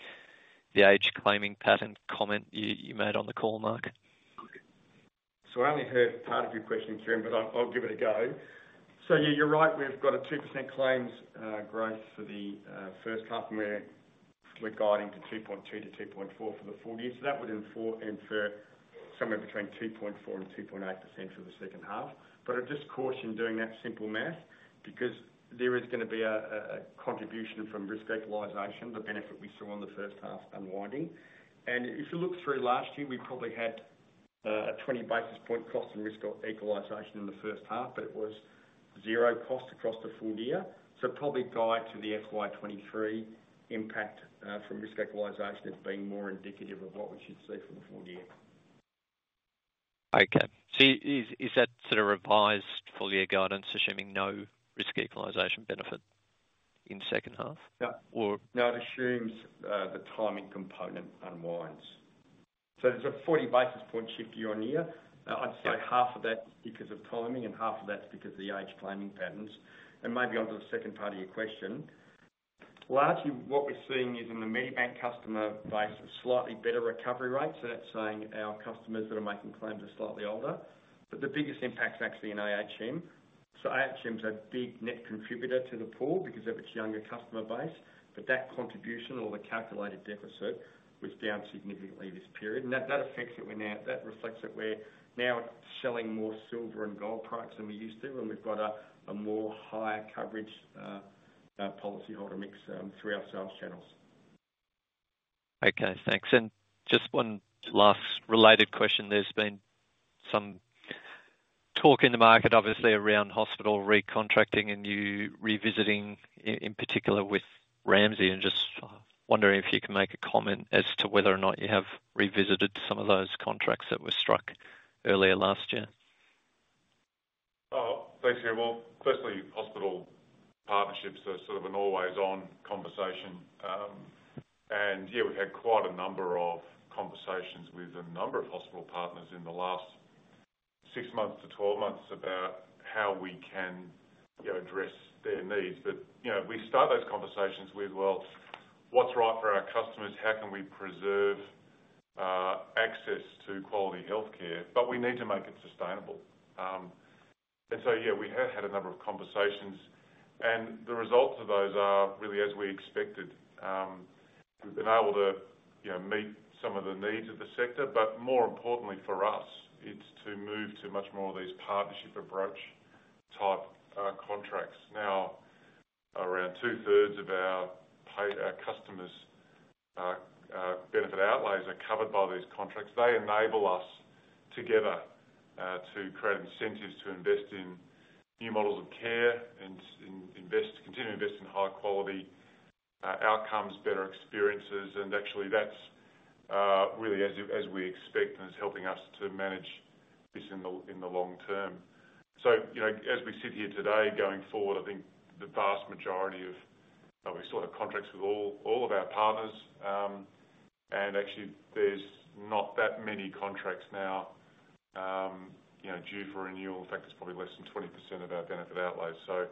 the age claiming pattern comment you, you made on the call, Mark. So I only heard part of your question, Kieran, but I'll, I'll give it a go. So you, you're right, we've got a 2% claims growth for the first half, and we're, we're guiding to 2.2%-2.4% for the full year. So that would infer, infer somewhere between 2.4% and 2.8% for the second half. But I'd just caution doing that simple math, because there is gonna be a contribution from risk equalization, the benefit we saw in the first half unwinding. And if you look through last year, we probably had a 20 basis point cost and risk equalization in the first half, but it was zero cost across the full year. So probably guide to the FY 2023 impact from risk equalization as being more indicative of what we should see for the full year. Okay. So is that sort of revised full year guidance, assuming no risk equalization benefit in second half? Yeah. Or- No, it assumes the timing component unwinds. So there's a 40 basis point shift year-over-year. I'd say half of that's because of timing, and half of that's because of the age claiming patterns. And maybe onto the second part of your question. Largely, what we're seeing is in the Medibank customer base, a slightly better recovery rate, so that's saying our customers that are making claims are slightly older. But the biggest impact's actually in ahm. So ahm's a big net contributor to the pool because of its younger customer base, but that contribution or the calculated deficit was down significantly this period. And that affects it, that reflects that we're now selling more Silver and Gold products than we used to, and we've got a more higher coverage policyholder mix through our sales channels. Okay, thanks. And just one last related question. There's been some talk in the market, obviously, around hospital recontracting and you revisiting in particular with Ramsay, and just wondering if you can make a comment as to whether or not you have revisited some of those contracts that were struck earlier last year. Thanks, Kieran. Well, firstly, hospital partnerships are sort of an always on conversation. Yeah, we've had quite a number of conversations with a number of hospital partners in the last six to 12 months about how we can, you know, address their needs. But, you know, we start those conversations with, "Well, what's right for our customers? How can we preserve access to quality healthcare?" But we need to make it sustainable. So yeah, we have had a number of conversations, and the results of those are really as we expected. We've been able to, you know, meet some of the needs of the sector, but more importantly for us-... to move to much more of these partnership approach type contracts. Now, around two-thirds of our pay, our customers' benefit outlays are covered by these contracts. They enable us together to create incentives to invest in new models of care and invest, continue to invest in high quality outcomes, better experiences, and actually that's really as we expect, and it's helping us to manage this in the long term. So, you know, as we sit here today, going forward, I think the vast majority of our contracts with all of our partners, and actually there's not that many contracts now, you know, due for renewal. In fact, it's probably less than 20% of our benefit outlays. So,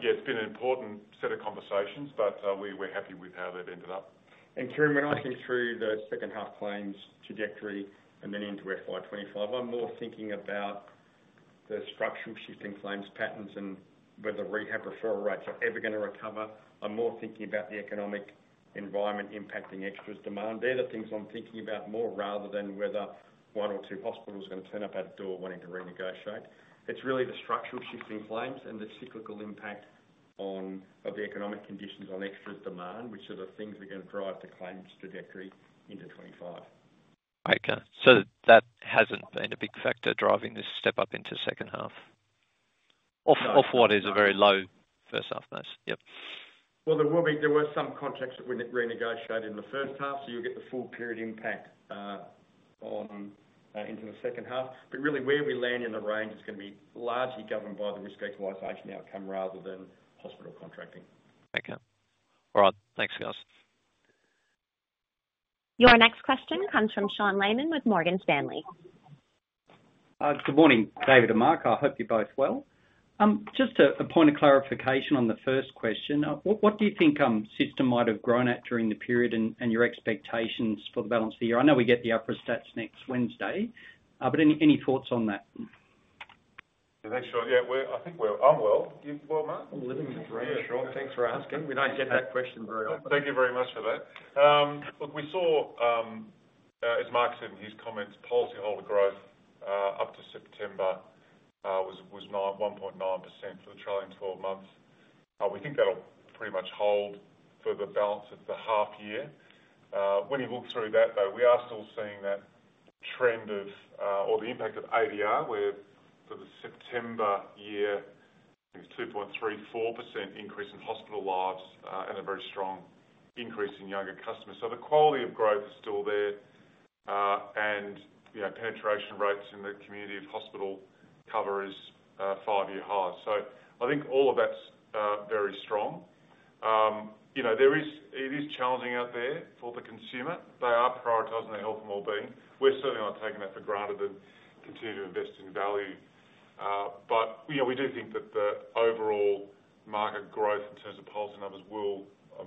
yeah, it's been an important set of conversations, but, we're happy with how they've ended up. And Kieran, when I think through the second half claims trajectory and then into FY 2025, I'm more thinking about the structural shift in claims patterns and whether rehab referral rates are ever gonna recover. I'm more thinking about the economic environment impacting extras demand. They're the things I'm thinking about more rather than whether one or two hospitals are gonna turn up at a door wanting to renegotiate. It's really the structural shift in claims and the cyclical impact of the economic conditions on extras demand, which are the things that are gonna drive the claims trajectory into 2025. Okay. So that hasn't been a big factor driving this step up into second half? Off what is a very low first half base. Yep. Well, there will be. There were some contracts that we renegotiated in the first half, so you'll get the full period impact on into the second half. But really, where we land in the range is gonna be largely governed by the risk equalization outcome rather than hospital contracting. Okay. All right, thanks, guys. Your next question comes from Sean Laaman with Morgan Stanley. Good morning, David and Mark. I hope you're both well. Just a point of clarification on the first question. What do you think system might have grown at during the period and your expectations for the balance of the year? I know we get the APRA stats next Wednesday, but any thoughts on that? Yeah, thanks, Sean. Yeah, I think we're... I'm well. You well, Mark? I'm living, yeah, Sean. Thanks for asking. We don't get that question very often. Thank you very much for that. Look, we saw, as Mark said in his comments, policyholder growth up to September was 1.9% for the trailing 12 months. We think that'll pretty much hold for the balance of the half year. When you look through that, though, we are still seeing that trend of, or the impact of ADR, where for the September year, I think it's 2.34% increase in hospital lives, and a very strong increase in younger customers. So the quality of growth is still there, and, you know, penetration rates in the community of hospital cover is five-year high. So I think all of that's very strong. You know, it is challenging out there for the consumer. They are prioritizing their health and wellbeing. We're certainly not taking that for granted and continue to invest in value. But, you know, we do think that the overall market growth in terms of policy numbers will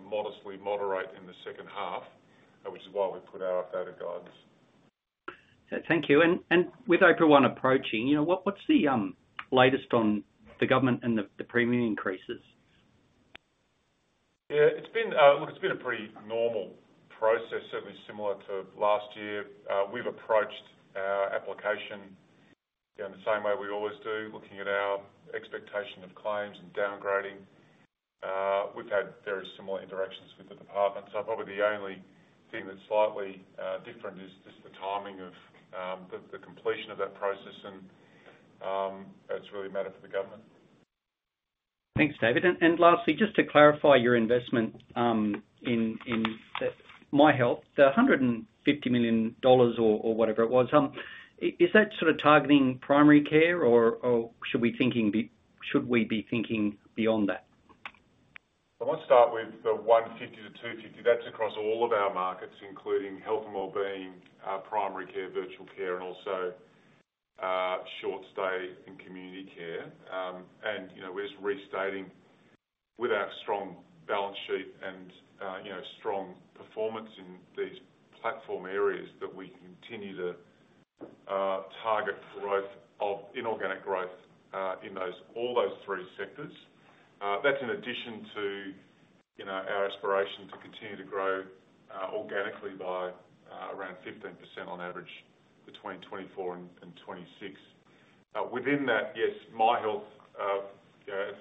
modestly moderate in the second half, which is why we've put out our guided guidance. Thank you. With April 1 approaching, you know, what's the latest on the government and the premium increases? Yeah, it's been, look, it's been a pretty normal process, certainly similar to last year. We've approached our application, you know, in the same way we always do, looking at our expectation of claims and downgrading. We've had very similar interactions with the department. So probably the only thing that's slightly different is just the timing of the completion of that process, and it's really a matter for the government. Thanks, David. And lastly, just to clarify your investment in Myhealth, the 150 million dollars or whatever it was, is that sort of targeting primary care, or should we be thinking beyond that? I want to start with the 150 million-250 million. That's across all of our markets, including health and wellbeing, primary care, virtual care, and also, short stay and community care. And, you know, we're just restating with our strong balance sheet and, you know, strong performance in these platform areas, that we continue to target growth of inorganic growth in those all those three sectors. That's in addition to, you know, our aspiration to continue to grow organically by around 15% on average between 2024 and 2026. Within that, yes, Myhealth,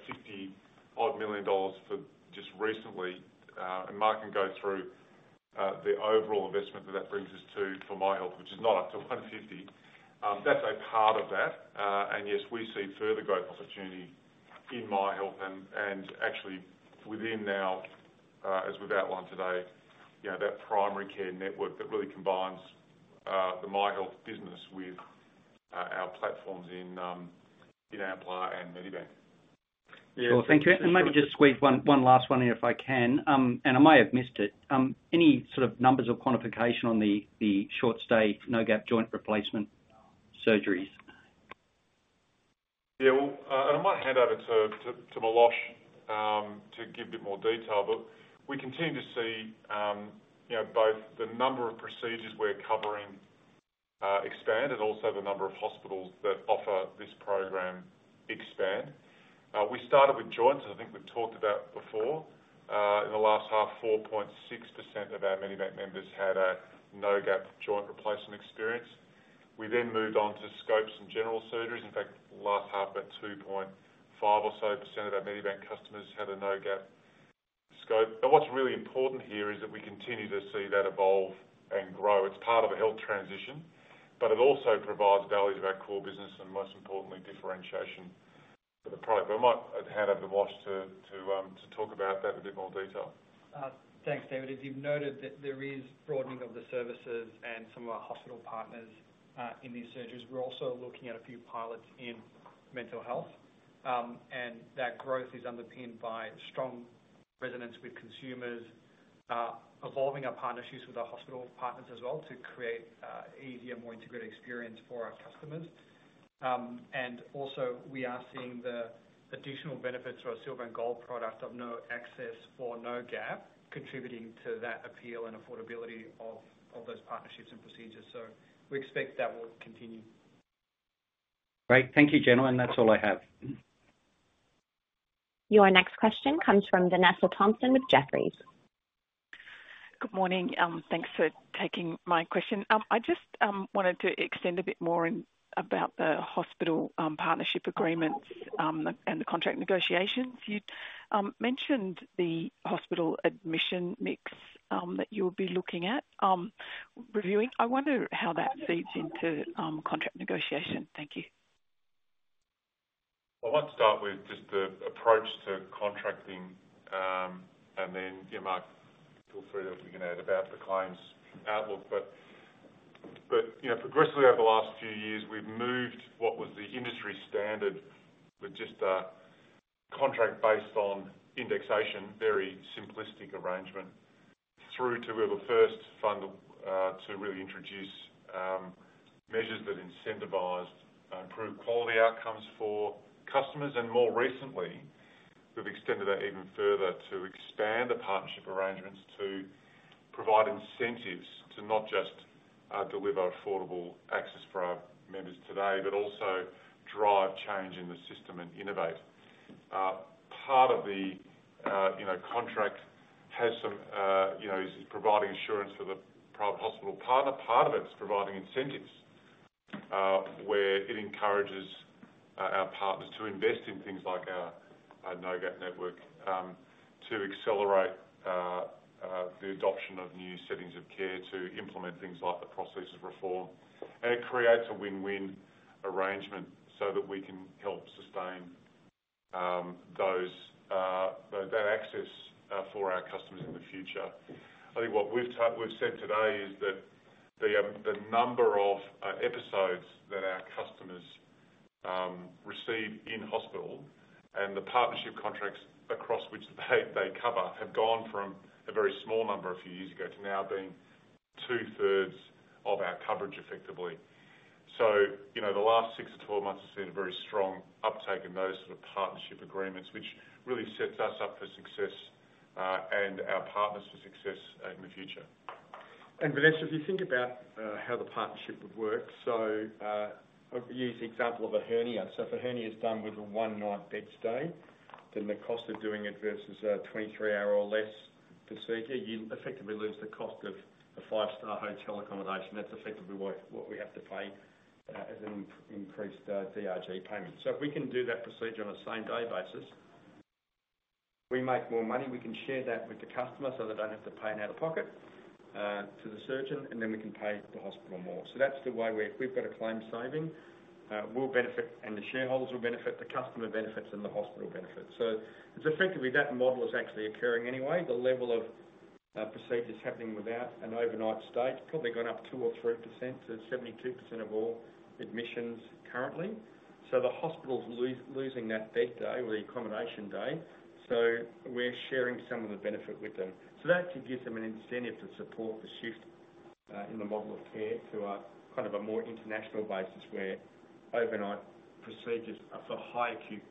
sixty odd million dollars for just recently, and Mark can go through the overall investment that that brings us to, for Myhealth, which is not up to 150 million. That's a part of that, and yes, we see further growth opportunity in Myhealth and actually within our, as we've outlined today, you know, that primary care network that really combines the Myhealth business with our platforms in Amplar and Medibank. Cool. Thank you. Yeah- Maybe just squeeze one last one in, if I can. I may have missed it. Any sort of numbers or quantification on the short stay, No Gap joint replacement surgeries? Yeah, well, and I might hand over to Milosh to give a bit more detail. But we continue to see, you know, both the number of procedures we're covering expand and also the number of hospitals that offer this program expand. Joints, as I think we've talked about before, in the last half, 4.6% of our Medibank members had a No Gap joint replacement experience. We then moved on to scopes and general surgeries. In fact, last half, about 2.5% or so of our Medibank customers had a No Gap scope. But what's really important here is that we continue to see that evolve and grow. It's part of a health transition, but it also provides value to our core business and most importantly, differentiation for the product. But I might hand over to Milosh to talk about that in a bit more detail. Thanks, David. As you've noted, that there is broadening of the services and some of our hospital partners in these surgeries. We're also looking at a few pilots in mental health, and that growth is underpinned by strong resonance with consumers, evolving our partnerships with our hospital partners as well, to create a easier, more integrated experience for our customers. And also, we are seeing the additional benefits to our Silver and Gold product of no excess or No Gap, contributing to that appeal and affordability of, of those partnerships and procedures. So we expect that will continue. Great. Thank you, gentlemen. That's all I have. Your next question comes from Vanessa Thomson with Jefferies. Good morning. Thanks for taking my question. I just wanted to extend a bit more in about the hospital partnership agreements, and the contract negotiations. You mentioned the hospital admission mix that you'll be looking at reviewing. I wonder how that feeds into contract negotiation. Thank you. I want to start with just the approach to contracting, and then, yeah, Mark, feel free to if you can add about the claims outlook. But, you know, progressively over the last few years, we've moved what was the industry standard with just a contract based on indexation, very simplistic arrangement, through to we're the first fund, to really introduce, measures that incentivized, improved quality outcomes for customers. And more recently, we've extended that even further to expand the partnership arrangements to provide incentives to not just, deliver affordable access for our members today, but also drive change in the system and innovate. Part of the, you know, contract has some, you know, is providing assurance for the private hospital partner. Part of it is providing incentives, where it encourages our partners to invest in things like our No Gap network, to accelerate the adoption of new settings of care, to implement things like the prostheses reform. And it creates a win-win arrangement so that we can help sustain those that access for our customers in the future. I think what we've we've said today is that the number of episodes that our customers receive in-hospital and the partnership contracts across which they they cover, have gone from a very small number a few years ago to now being two-thirds of our coverage, effectively. You know, the last six to 12 months has seen a very strong uptake in those sort of partnership agreements, which really sets us up for success, and our partners for success, in the future. And Vanessa, if you think about how the partnership would work, so, I'll use the example of a hernia. So if a hernia is done with a one-night bed stay, then the cost of doing it versus a 23-hour or less procedure, you effectively lose the cost of a five-star hotel accommodation. That's effectively what we have to pay as an increased DRG payment. So if we can do that procedure on a same-day basis, we make more money. We can share that with the customer, so they don't have to pay out of pocket to the surgeon, and then we can pay the hospital more. So that's the way we if we've got a claim saving, we'll benefit, and the shareholders will benefit, the customer benefits, and the hospital benefits. So it's effectively that model is actually occurring anyway. The level of procedures happening without an overnight stay, it's probably gone up 2% or 3% to 72% of all admissions currently. So the hospital's losing that bed day or the accommodation day, so we're sharing some of the benefit with them. So that gives them an incentive to support the shift in the model of care to a kind of a more international basis, where overnight procedures are for high acute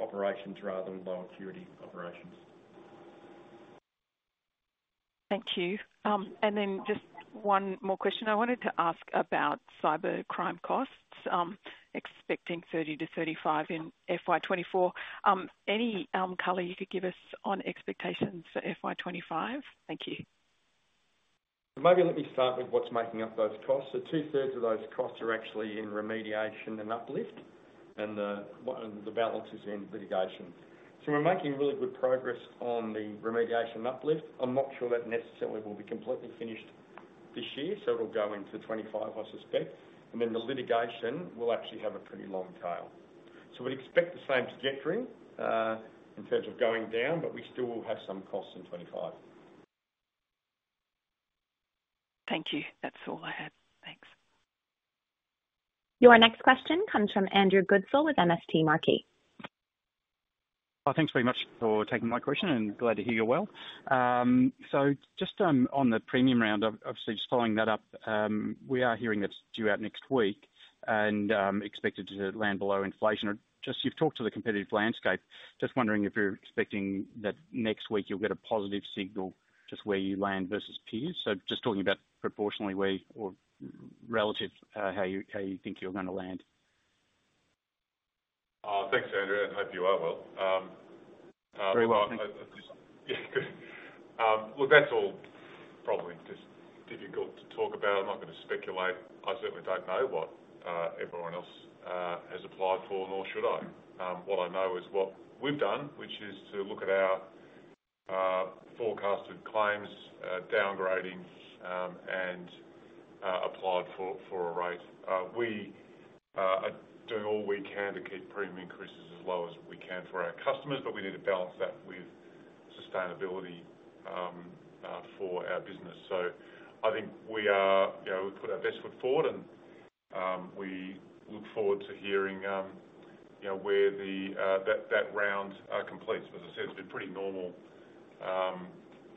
operations rather than low acuity operations. Thank you. Just one more question. I wanted to ask about cybercrime costs, expecting 30-35 in FY 2024. Any color you could give us on expectations for FY 2025? Thank you. Maybe let me start with what's making up those costs. So two-thirds of those costs are actually in remediation and uplift, and the balance is in litigation. So we're making really good progress on the remediation and uplift. I'm not sure that necessarily will be completely finished this year, so it'll go into 2025, I suspect, and then the litigation will actually have a pretty long tail. So we'd expect the same trajectory in terms of going down, but we still will have some costs in 2025. Thank you. That's all I had. Thanks. Your next question comes from Andrew Goodsall with MST Marquee. Thanks very much for taking my question, and glad to hear you're well. So just on the premium round, obviously, just following that up, we are hearing that's due out next week and expected to land below inflation. Just, you've talked to the competitive landscape, just wondering if you're expecting that next week you'll get a positive signal, just where you land versus peers? So just talking about proportionately where relative to how you think you're going to land? Thanks, Andrew. I hope you are well. Very well, thank you. Look, that's all probably just difficult to talk about. I'm not going to speculate. I certainly don't know what everyone else has applied for, nor should I. What I know is what we've done, which is to look at our forecasted claims, downgrading, and applied for a rate. We are doing all we can to keep premium increases as low as we can for our customers, but we need to balance that with sustainability for our business. So I think we are, you know, we've put our best foot forward, and we look forward to hearing, you know, where that round completes. But as I said, it's been pretty normal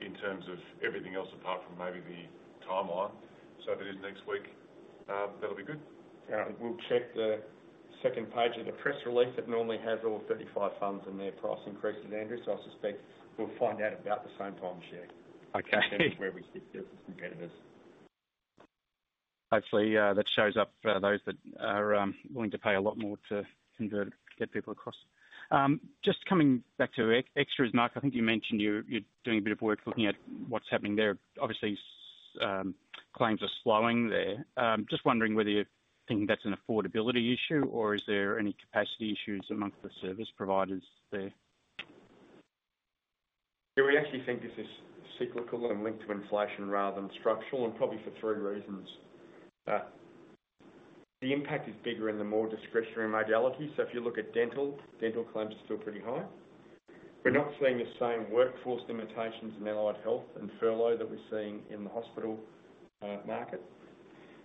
in terms of everything else, apart from maybe the timeline. So if it is next week, that'll be good. We'll check the second page of the press release that normally has all 35 funds and their price increases, Andrew, so I suspect we'll find out about the same time, Andrew. Okay. Where we sit with the competitors. Hopefully, that shows up for those that are willing to pay a lot more to get people across. Just coming back to extras, Mark, I think you mentioned you're doing a bit of work looking at what's happening there. Obviously, claims are slowing there. Just wondering whether you're thinking that's an affordability issue or is there any capacity issues amongst the service providers there? Yeah, we actually think this is cyclical and linked to inflation rather than structural, and probably for three reasons. The impact is bigger in the more discretionary modalities. So if you look at dental, dental claims are still pretty high. We're not seeing the same workforce limitations in allied health and furlough that we're seeing in the hospital market.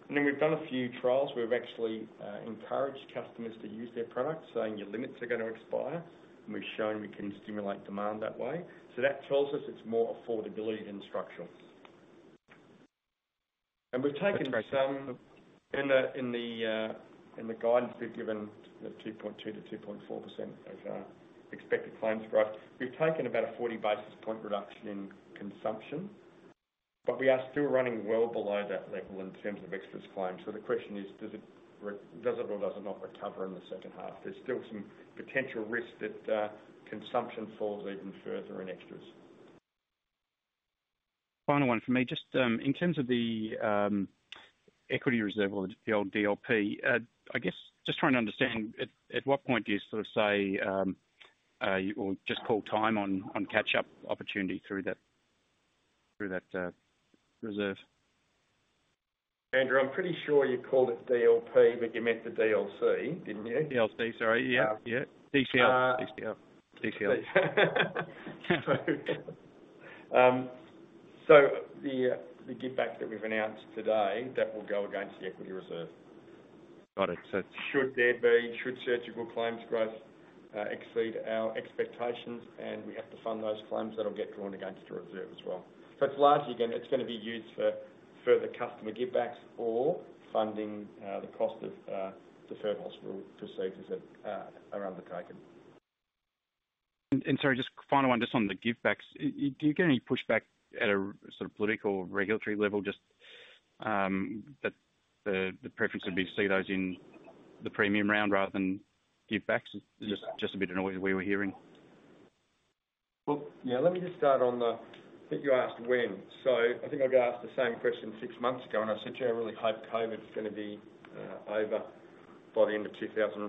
And then we've done a few trials where we've actually encouraged customers to use their products, saying, "Your limits are going to expire," and we've shown we can stimulate demand that way. So that tells us it's more affordability than structural. And we've taken- That's great. In the guidance we've given, the 2.2%-2.4% as our expected claims growth. We've taken about a 40 basis point reduction in consumption, but we are still running well below that level in terms of extras claims. So the question is, does it or does it not recover in the second half? There's still some potential risk that consumption falls even further in extras. Final one for me, just in terms of the equity reserve or the old DLP, I guess just trying to understand at what point do you sort of say or just call time on catch-up opportunity through that reserve? Andrew, I'm pretty sure you called it DLP, but you meant the DLC, didn't you? DLC, sorry. Yeah. Yeah. DCL. DCL. DCL. So the givebacks that we've announced today, that will go against the equity reserve. Got it, so- Should there be surgical claims growth exceed our expectations, and we have to fund those claims, that'll get drawn against the reserve as well. So it's largely, again, it's going to be used for further customer givebacks or funding the cost of deferred hospital procedures that are undertaken. Sorry, just final one, just on the givebacks. Do you get any pushback at a sort of political or regulatory level, just that the preference would be to see those in the premium round rather than givebacks? Just a bit of noise we were hearing. Well, yeah, let me just start on the... I think you asked when. So I think I got asked the same question six months ago, and I said, "Yeah, I really hope COVID is going to be over by the end of 2014."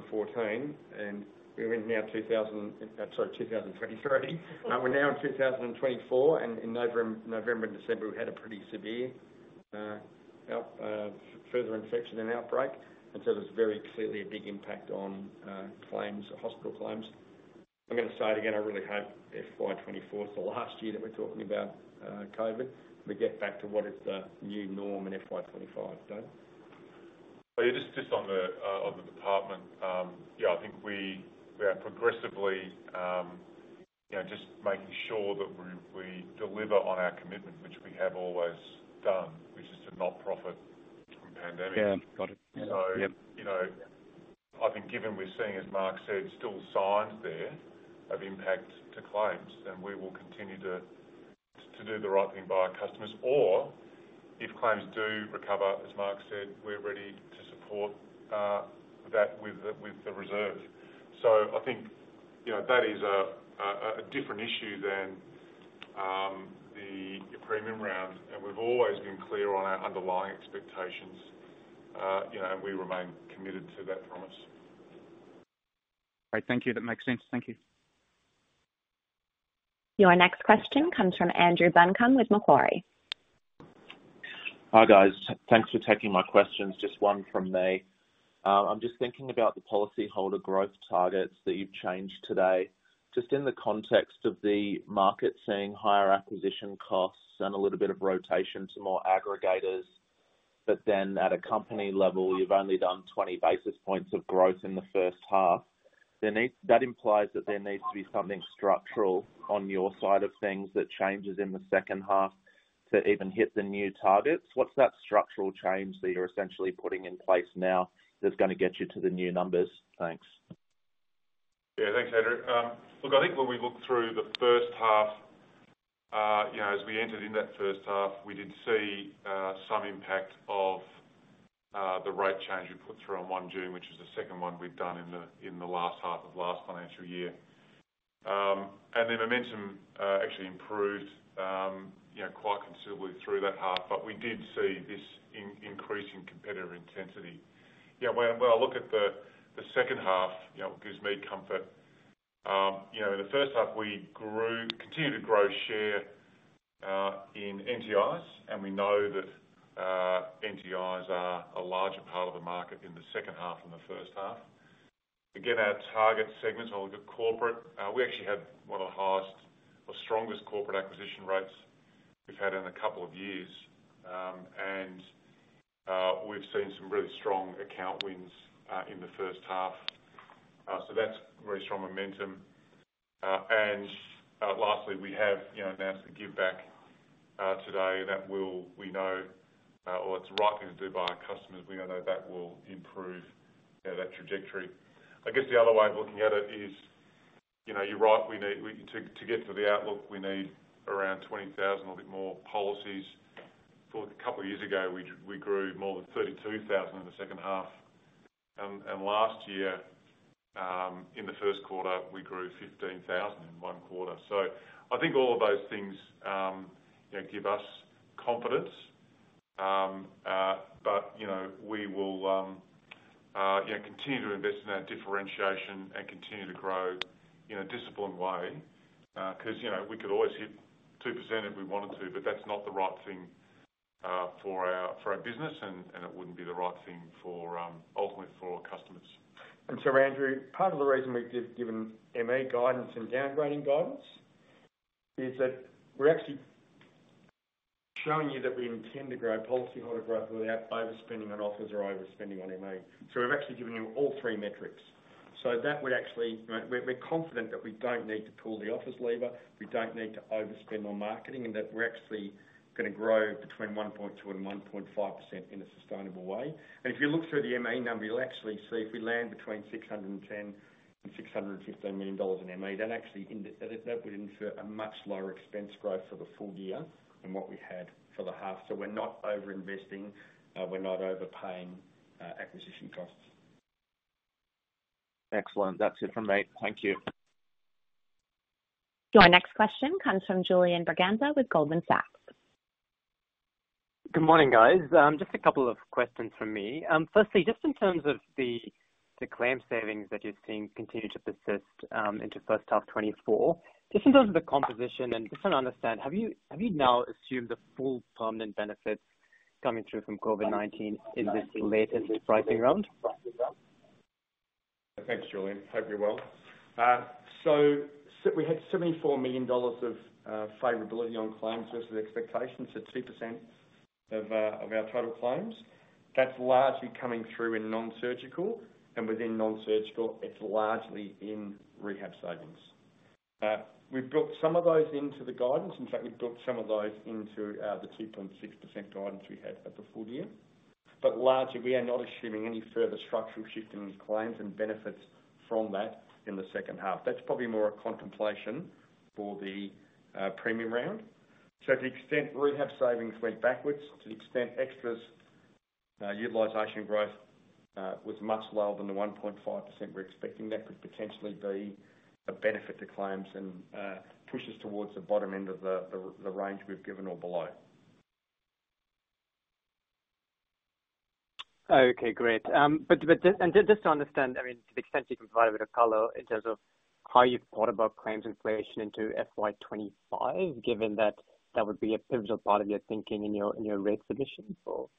And we're now in 2023. Sorry, we're now in 2024, and in November and December, we had a pretty severe further infection and outbreak. And so there's very clearly a big impact on claims, hospital claims. I'm going to say it again, I really hope FY 2024 is the last year that we're talking about COVID. We get back to what is the new norm in FY 2025. Daniel? Yeah, just on the department. I think we are progressively, you know, just making sure that we deliver on our commitment, which we have always done, which is to not profit from pandemics. Yeah. Got it. So- Yep. You know, I think given we're seeing, as Mark said, still signs there of impact to claims, then we will continue to do the right thing by our customers. Or if claims do recover, as Mark said, we're ready to support that with the reserve. So I think, you know, that is a different issue than the premium round, and we've always been clear on our underlying expectations, you know, and we remain committed to that promise. Great. Thank you. That makes sense. Thank you. Your next question comes from Andrew Buncombe with Macquarie. Hi, guys. Thanks for taking my questions, just one from me. I'm just thinking about the policyholder growth targets that you've changed today. Just in the context of the market seeing higher acquisition costs and a little bit of rotation to more aggregators, but then at a company level, you've only done 20 basis points of growth in the first half. That implies that there needs to be something structural on your side of things that changes in the second half to even hit the new targets. What's that structural change that you're essentially putting in place now, that's going to get you to the new numbers? Thanks. Yeah, thanks, Andrew. Look, I think when we look through the first half, you know, as we entered in that first half, we did see some impact of the rate change we put through on 1 June, which is the second one we've done in the last half of last financial year. The momentum actually improved, you know, quite considerably through that half, but we did see this increase in competitive intensity. Yeah, when I look at the second half, you know, it gives me comfort. You know, in the first half, we continued to grow share in NTIs, and we know that NTIs are a larger part of the market in the second half than the first half. Again, our target segments, when we look at corporate, we actually had one of the highest or strongest corporate acquisition rates we've had in a couple of years. And, we've seen some really strong account wins, in the first half. So that's very strong momentum. And, lastly, we have, you know, announced the giveback, today, and that will, we know, or it's the right thing to do by our customers. We know that will improve, you know, that trajectory. I guess the other way of looking at it is, you know, you're right, we need, to, to get to the outlook, we need around 20,000 or a bit more policies. A couple of years ago, we grew more than 32,000 in the second half. Last year, in the first quarter, we grew 15,000 in one quarter. So I think all of those things, you know, give us confidence. You know, we will, you know, continue to invest in that differentiation and continue to grow in a disciplined way. Because, you know, we could always hit 2% if we wanted to, but that's not the right thing, for our, for our business, and it wouldn't be the right thing for, ultimately for our customers. And so, Andrew, part of the reason we've given MA guidance and downgrading guidance is that we're actually showing you that we intend to grow policy holder growth without overspending on offers or overspending on MA. So we're actually giving you all three metrics. So that would actually, you know, we're confident that we don't need to pull the offers lever, we don't need to overspend on marketing, and that we're actually going to grow between 1.2% and 1.5% in a sustainable way. And if you look through the MA number, you'll actually see if we land between 610 million and 615 million dollars in MA, that actually, that would infer a much lower expense growth for the full year than what we had for the half. So we're not overinvesting, we're not overpaying acquisition costs. Excellent. That's it from me. Thank you. Your next question comes from Julian Braganza with Goldman Sachs. Good morning, guys. Just a couple of questions from me. Firstly, just in terms of the, the claim savings that you're seeing continue to persist, into first half 2024. Just in terms of the composition, and just trying to understand, have you, have you now assumed the full permanent benefits coming through from COVID-19 in this latest pricing round? Thanks, Julian. Hope you're well. So we had 74 million dollars of favorability on claims versus expectations, so 2% of our total claims. That's largely coming through in non-surgical, and within non-surgical, it's largely in rehab savings. We've built some of those into the guidance. In fact, we've built some of those into the 2.6% guidance we had at the full year. But largely, we are not assuming any further structural shift in claims and benefits from that in the second half. That's probably more a contemplation for the premium round. So to the extent rehab savings went backwards, to the extent extras utilization growth was much lower than the 1.5% we're expecting, that could potentially be a benefit to claims and push us towards the bottom end of the range we've given or below. Okay, great. But just to understand, I mean, to the extent you can provide a bit of color in terms of how you've thought about claims inflation into FY 2025, given that that would be a pivotal part of your thinking in your rate submission for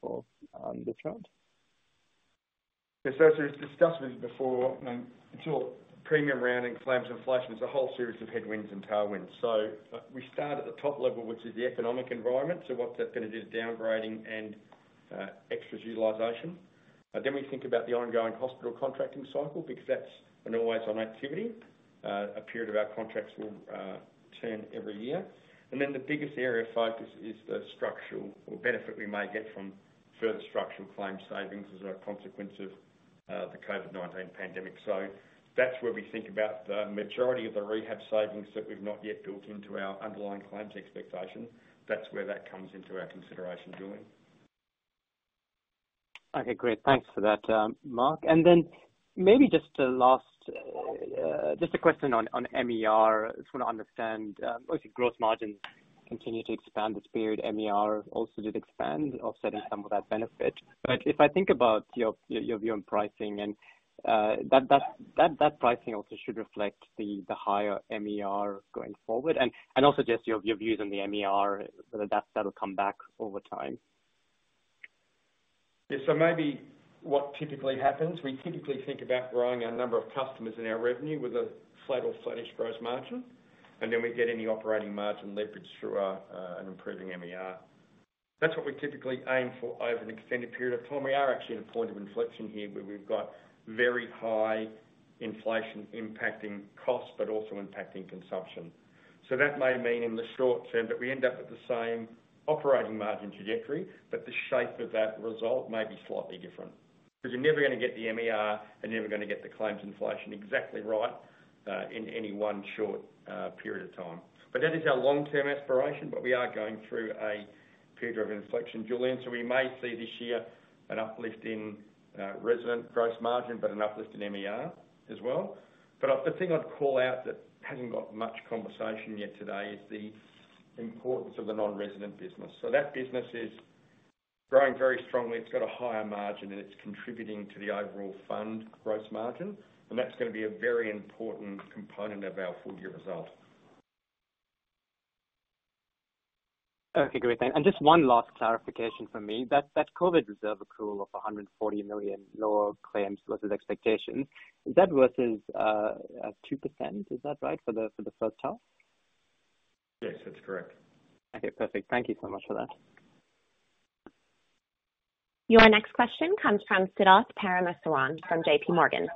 this round. So as we've discussed this before, it's all premium round and claims inflation, it's a whole series of headwinds and tailwinds. So we start at the top level, which is the economic environment. So what's that going to do to downgrading and extras utilization? Then we think about the ongoing hospital contracting cycle, because that's an always-on activity. A period of our contracts will turn every year. And then the biggest area of focus is the structural or benefit we may get from further structural claim savings as a consequence of the COVID-19 pandemic. So that's where we think about the majority of the rehab savings that we've not yet built into our underlying claims expectation. That's where that comes into our consideration, Julian. Okay, great. Thanks for that, Mark. And then maybe just a last question on MER. I just want to understand, obviously, gross margin continued to expand this period. MER also did expand, offsetting some of that benefit. But if I think about your view on pricing and that pricing also should reflect the higher MER going forward, and also just your views on the MER, sort of, that'll come back over time. Yeah, so maybe what typically happens, we typically think about growing our number of customers and our revenue with a flat or flatish gross margin, and then we get any operating margin leverage through our an improving MER. That's what we typically aim for over an extended period of time. We are actually at a point of inflection here, where we've got very high inflation impacting costs, but also impacting consumption.... So that may mean in the short term that we end up with the same operating margin trajectory, but the shape of that result may be slightly different. Because you're never gonna get the MER, and you're never gonna get the claims inflation exactly right in any one short period of time. But that is our long-term aspiration, but we are going through a period of inflection, Julian, so we may see this year an uplift in resident gross margin, but an uplift in MER as well. But I—the thing I'd call out that hasn't got much conversation yet today is the importance of the non-resident business. So that business is growing very strongly, it's got a higher margin, and it's contributing to the overall fund gross margin, and that's gonna be a very important component of our full year result. Okay, great. And just one last clarification for me: that COVID reserve accrual of 140 million lower claims versus expectations, is that versus 2%, is that right, for the first half? Yes, that's correct. Okay, perfect. Thank you so much for that. Your next question comes from Siddharth Parameswaran from JPMorgan.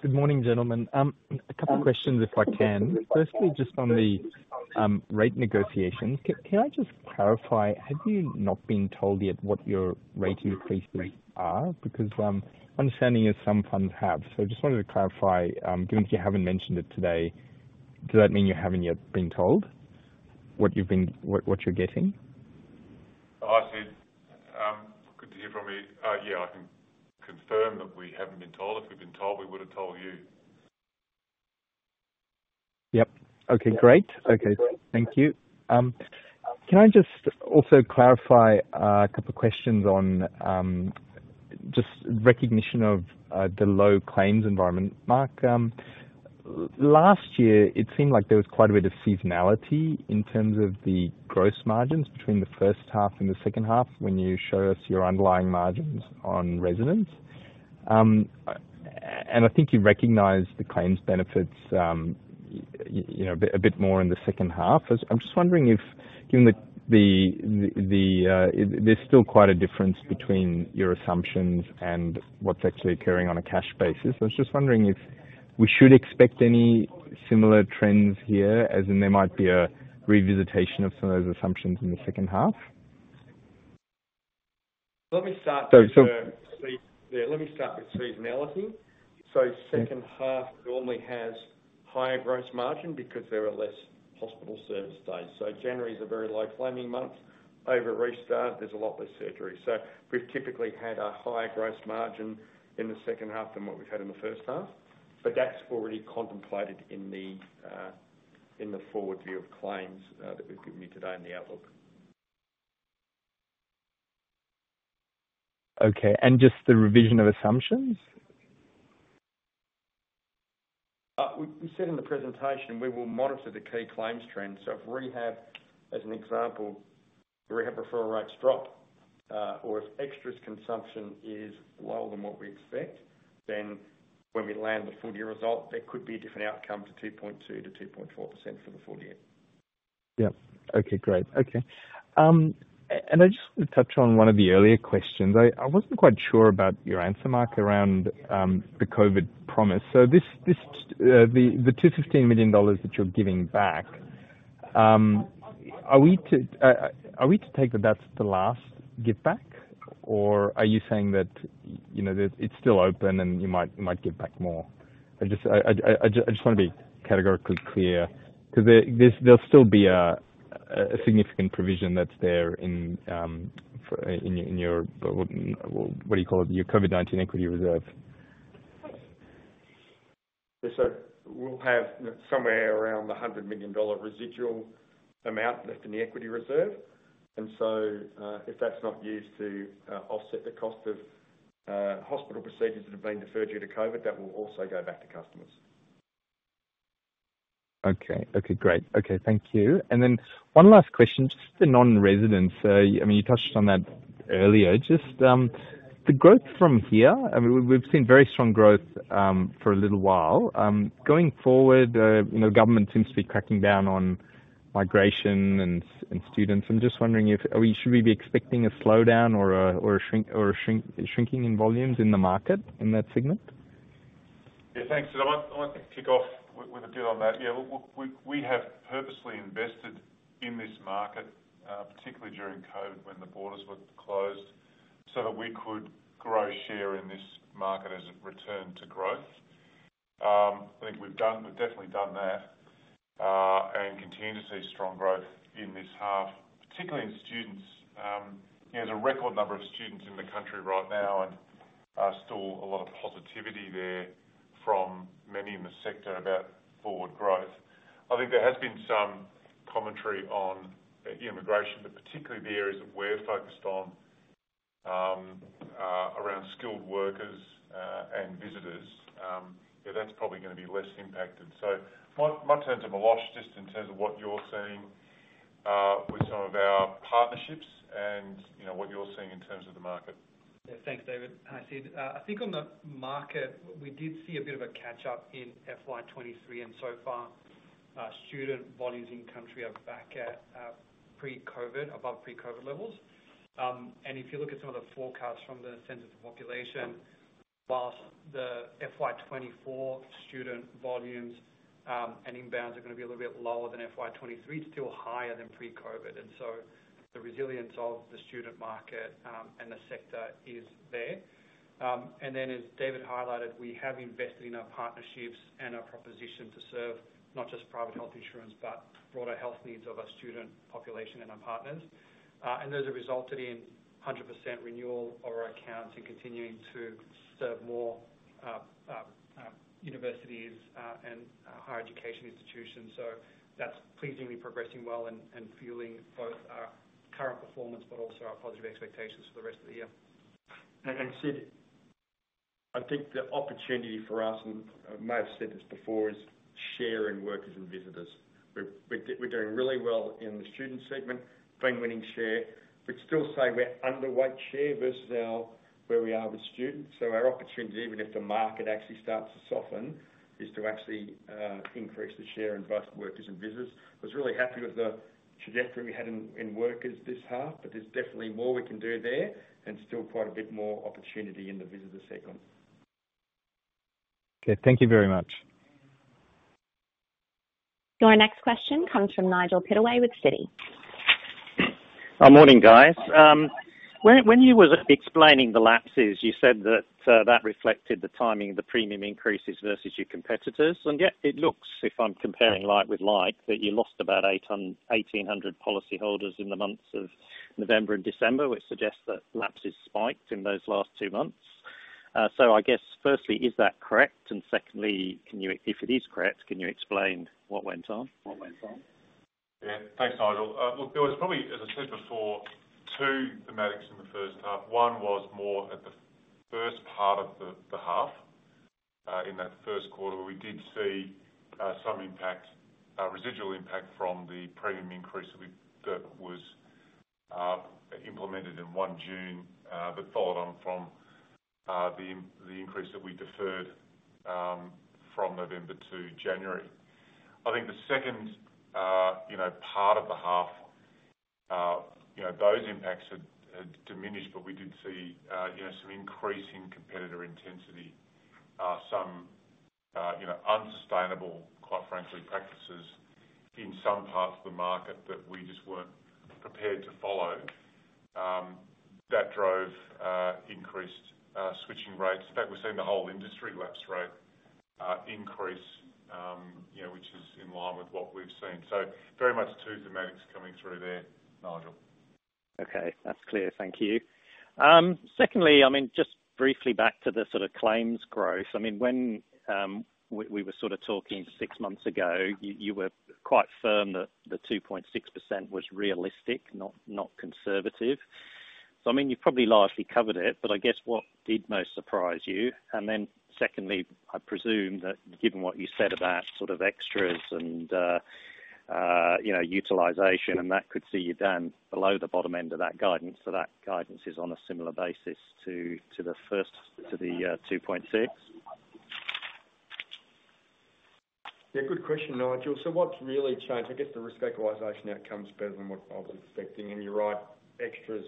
Good morning, gentlemen. A couple questions, if I can. Firstly, just on the rate negotiations. Can I just clarify, have you not been told yet what your rate increases are? Because my understanding is some funds have. So just wanted to clarify, given that you haven't mentioned it today, does that mean you haven't yet been told what you're getting? Hi, Sid. Good to hear from you. Yeah, I can confirm that we haven't been told. If we've been told, we would've told you. Yep. Okay, great. Okay, thank you. Can I just also clarify a couple of questions on just recognition of the low claims environment. Mark, last year, it seemed like there was quite a bit of seasonality in terms of the gross margins between the first half and the second half when you showed us your underlying margins on residents. And I think you recognized the claims benefits, you know, a bit, a bit more in the second half. I was—I'm just wondering if, given the, there's still quite a difference between your assumptions and what's actually occurring on a cash basis. I was just wondering if we should expect any similar trends here, as in there might be a revisitation of some of those assumptions in the second half? Let me start with the- So, so- Yeah, let me start with seasonality. Yeah. Second half normally has higher gross margin because there are less hospital service days. January is a very low claiming month. Over restart, there's a lot less surgery. We've typically had a higher gross margin in the second half than what we've had in the first half, but that's already contemplated in the forward view of claims that we've given you today in the outlook. Okay. And just the revision of assumptions? We said in the presentation, we will monitor the key claims trends. So if rehab, as an example, the rehab referral rates drop, or if extras consumption is lower than what we expect, then when we land the full year result, there could be a different outcome to 2.2%-2.4% for the full year. Yeah. Okay, great. Okay. And I just want to touch on one of the earlier questions. I wasn't quite sure about your answer, Mark, around the COVID promise. So this, the $215 million that you're giving back, are we to take that that's the last give back? Or are you saying that, you know, that it's still open and you might give back more? I just want to be categorically clear, 'cause there'll still be a significant provision that's there in your what do you call it? Your COVID-19 Equity Reserve. Yeah, so we'll have somewhere around 100 million dollar residual amount left in the equity reserve. And so, if that's not used to offset the cost of hospital procedures that have been deferred due to COVID, that will also go back to customers. Okay. Okay, great. Okay, thank you. And then one last question, just the non-residents. I mean, you touched on that earlier. Just, the growth from here, I mean, we've seen very strong growth, for a little while. Going forward, you know, government seems to be cracking down on migration and students. I'm just wondering if... Are we - should we be expecting a slowdown or a shrink or shrinking in volumes in the market in that segment? Yeah, thanks. So I want, I want to kick off with a bit on that. Yeah, we have purposely invested in this market, particularly during COVID, when the borders were closed, so that we could grow share in this market as it returned to growth. I think we've done, we've definitely done that, and continue to see strong growth in this half, particularly in students. There's a record number of students in the country right now, and still a lot of positivity there from many in the sector about forward growth. I think there has been some commentary on immigration, but particularly the areas that we're focused on, around skilled workers, and visitors. Yeah, that's probably gonna be less impacted. So my turns are Milosh, just in terms of what you're seeing with some of our partnerships and, you know, what you're seeing in terms of the market. Yeah. Thanks, David. Hi, Sid. I think on the market, we did see a bit of a catch-up in FY 2023, and so far, student bodies in country are back at, pre-COVID, above pre-COVID levels. And if you look at some of the forecasts from the Census of Population-... while the FY 2024 student volumes and inbounds are gonna be a little bit lower than FY 2023, it's still higher than pre-COVID. So the resilience of the student market and the sector is there. And then as David highlighted, we have invested in our partnerships and our proposition to serve not just private health insurance, but broader health needs of our student population and our partners. And those have resulted in 100% renewal of our accounts and continuing to serve more universities and higher education institutions. So that's pleasingly progressing well and fueling both our current performance, but also our positive expectations for the rest of the year. Sid, I think the opportunity for us, and I may have said this before, is share in workers and visitors. We're doing really well in the student segment, been winning share, but still say we're underweight share versus our, where we are with students. So our opportunity, even if the market actually starts to soften, is to actually increase the share in both workers and visitors. I was really happy with the trajectory we had in workers this half, but there's definitely more we can do there and still quite a bit more opportunity in the visitor segment. Okay, thank you very much. Your next question comes from Nigel Pittaway with Citi. Morning, guys. When you were explaining the lapses, you said that that reflected the timing of the premium increases versus your competitors. And yet it looks, if I'm comparing like with like, that you lost about 1,800 policyholders in the months of November and December, which suggests that lapses spiked in those last two months. So I guess firstly, is that correct? And secondly, can you, if it is correct, explain what went on? What went on? Yeah, thanks, Nigel. Look, there was probably, as I said before, two thematics in the first half. One was more at the first part of the half. In that first quarter, we did see some impact, residual impact from the premium increase that was implemented in 1 June, but followed on from the increase that we deferred from November to January. I think the second, you know, part of the half, you know, those impacts had diminished, but we did see, you know, some increasing competitor intensity. Some, you know, unsustainable, quite frankly, practices in some parts of the market that we just weren't prepared to follow. That drove increased switching rates. In fact, we've seen the whole industry lapse rate increase, you know, which is in line with what we've seen. So very much two thematics coming through there, Nigel. Okay, that's clear. Thank you. Secondly, I mean, just briefly back to the sort of claims growth. I mean, when we were sort of talking six months ago, you, you were quite firm that the 2.6% was realistic, not, not conservative. So I mean, you've probably largely covered it, but I guess what did most surprise you? And then secondly, I presume that given what you said about sort of extras and, you know, utilization, and that could see you down below the bottom end of that guidance, so that guidance is on a similar basis to, to the, 2.6? Yeah, good question, Nigel. So what's really changed, I guess the risk equalization outcome's better than what I was expecting. And you're right, extras...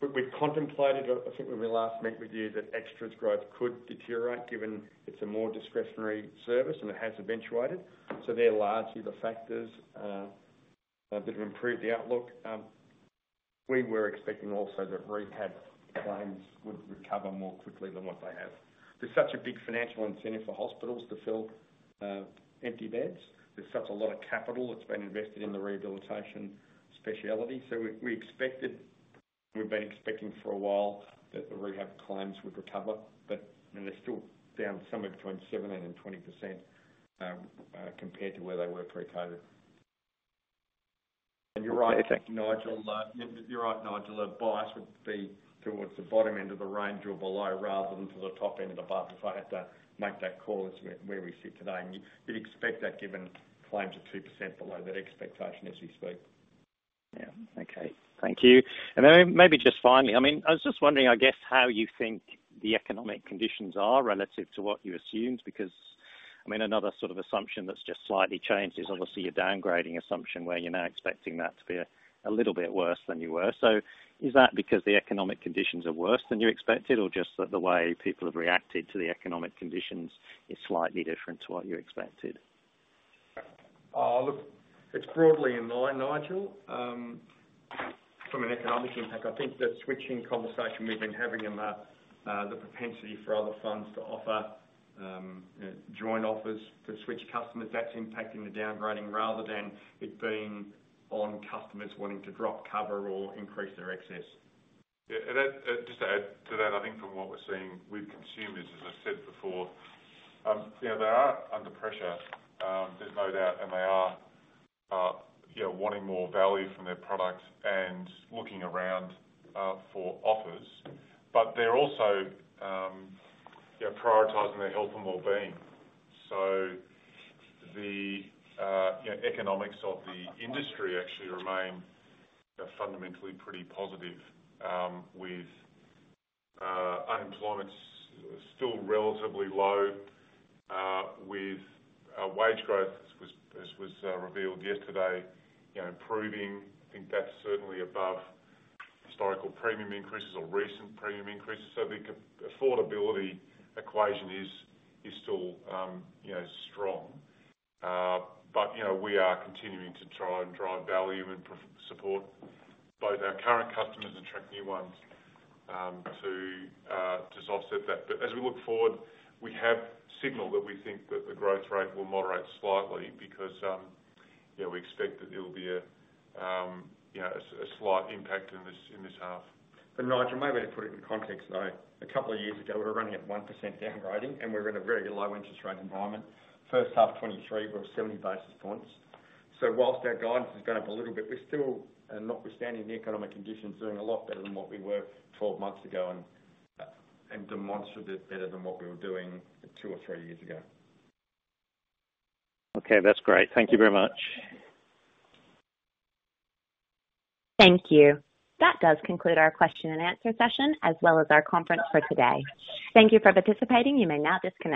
We've contemplated, I think when we last met with you, that extras growth could deteriorate given it's a more discretionary service and it has eventuated. So they're largely the factors that have improved the outlook. We were expecting also that rehab claims would recover more quickly than what they have. There's such a big financial incentive for hospitals to fill empty beds. There's such a lot of capital that's been invested in the rehabilitation specialty. So we expected, we've been expecting for a while that the rehab claims would recover, but, you know, they're still down somewhere between 17%-20% compared to where they were pre-COVID. Okay, thank you. And you're right, Nigel, you're right, Nigel, the bias would be towards the bottom end of the range or below rather than to the top end above, if I had to make that call, is where we sit today. And you'd expect that given claims are 2% below that expectation as we speak. Yeah. Okay, thank you. And then maybe just finally, I mean, I was just wondering, I guess, how you think the economic conditions are relative to what you assumed, because, I mean, another sort of assumption that's just slightly changed is obviously your downgrading assumption, where you're now expecting that to be a, a little bit worse than you were. So is that because the economic conditions are worse than you expected, or just that the way people have reacted to the economic conditions is slightly different to what you expected? Look, it's broadly in line, Nigel. From an economics impact, I think the switching conversation we've been having and the propensity for other funds to offer, you know, joint offers to switch customers, that's impacting the downgrading rather than it being on customers wanting to drop cover or increase their excess. Yeah, and that, just to add to that, I think from what we're seeing with consumers, as I've said before, you know, they are under pressure, there's no doubt, and they are, you know, wanting more value from their product and looking around, for offers. But they're also, they're prioritizing their health and wellbeing. So the, you know, economics of the industry actually remain, you know, fundamentally pretty positive, with, unemployment still relatively low, with, wage growth, as was, revealed yesterday, you know, improving. I think that's certainly above historical premium increases or recent premium increases. So the affordability equation is, is still, you know, strong. But, you know, we are continuing to try and drive value and support both our current customers and attract new ones, to offset that. But as we look forward, we have signaled that we think that the growth rate will moderate slightly because, you know, we expect that there will be a slight impact in this half. Nigel, maybe to put it in context, though, a couple of years ago, we were running at 1% downgrading, and we were in a very low interest rate environment. First half 2023, we're 70 basis points. So while our guidance has gone up a little bit, we're still, notwithstanding the economic conditions, doing a lot better than what we were 12 months ago and, and demonstratively better than what we were doing two or three years ago. Okay, that's great. Thank you very much. Thank you. That does conclude our question and answer session, as well as our conference for today. Thank you for participating. You may now disconnect.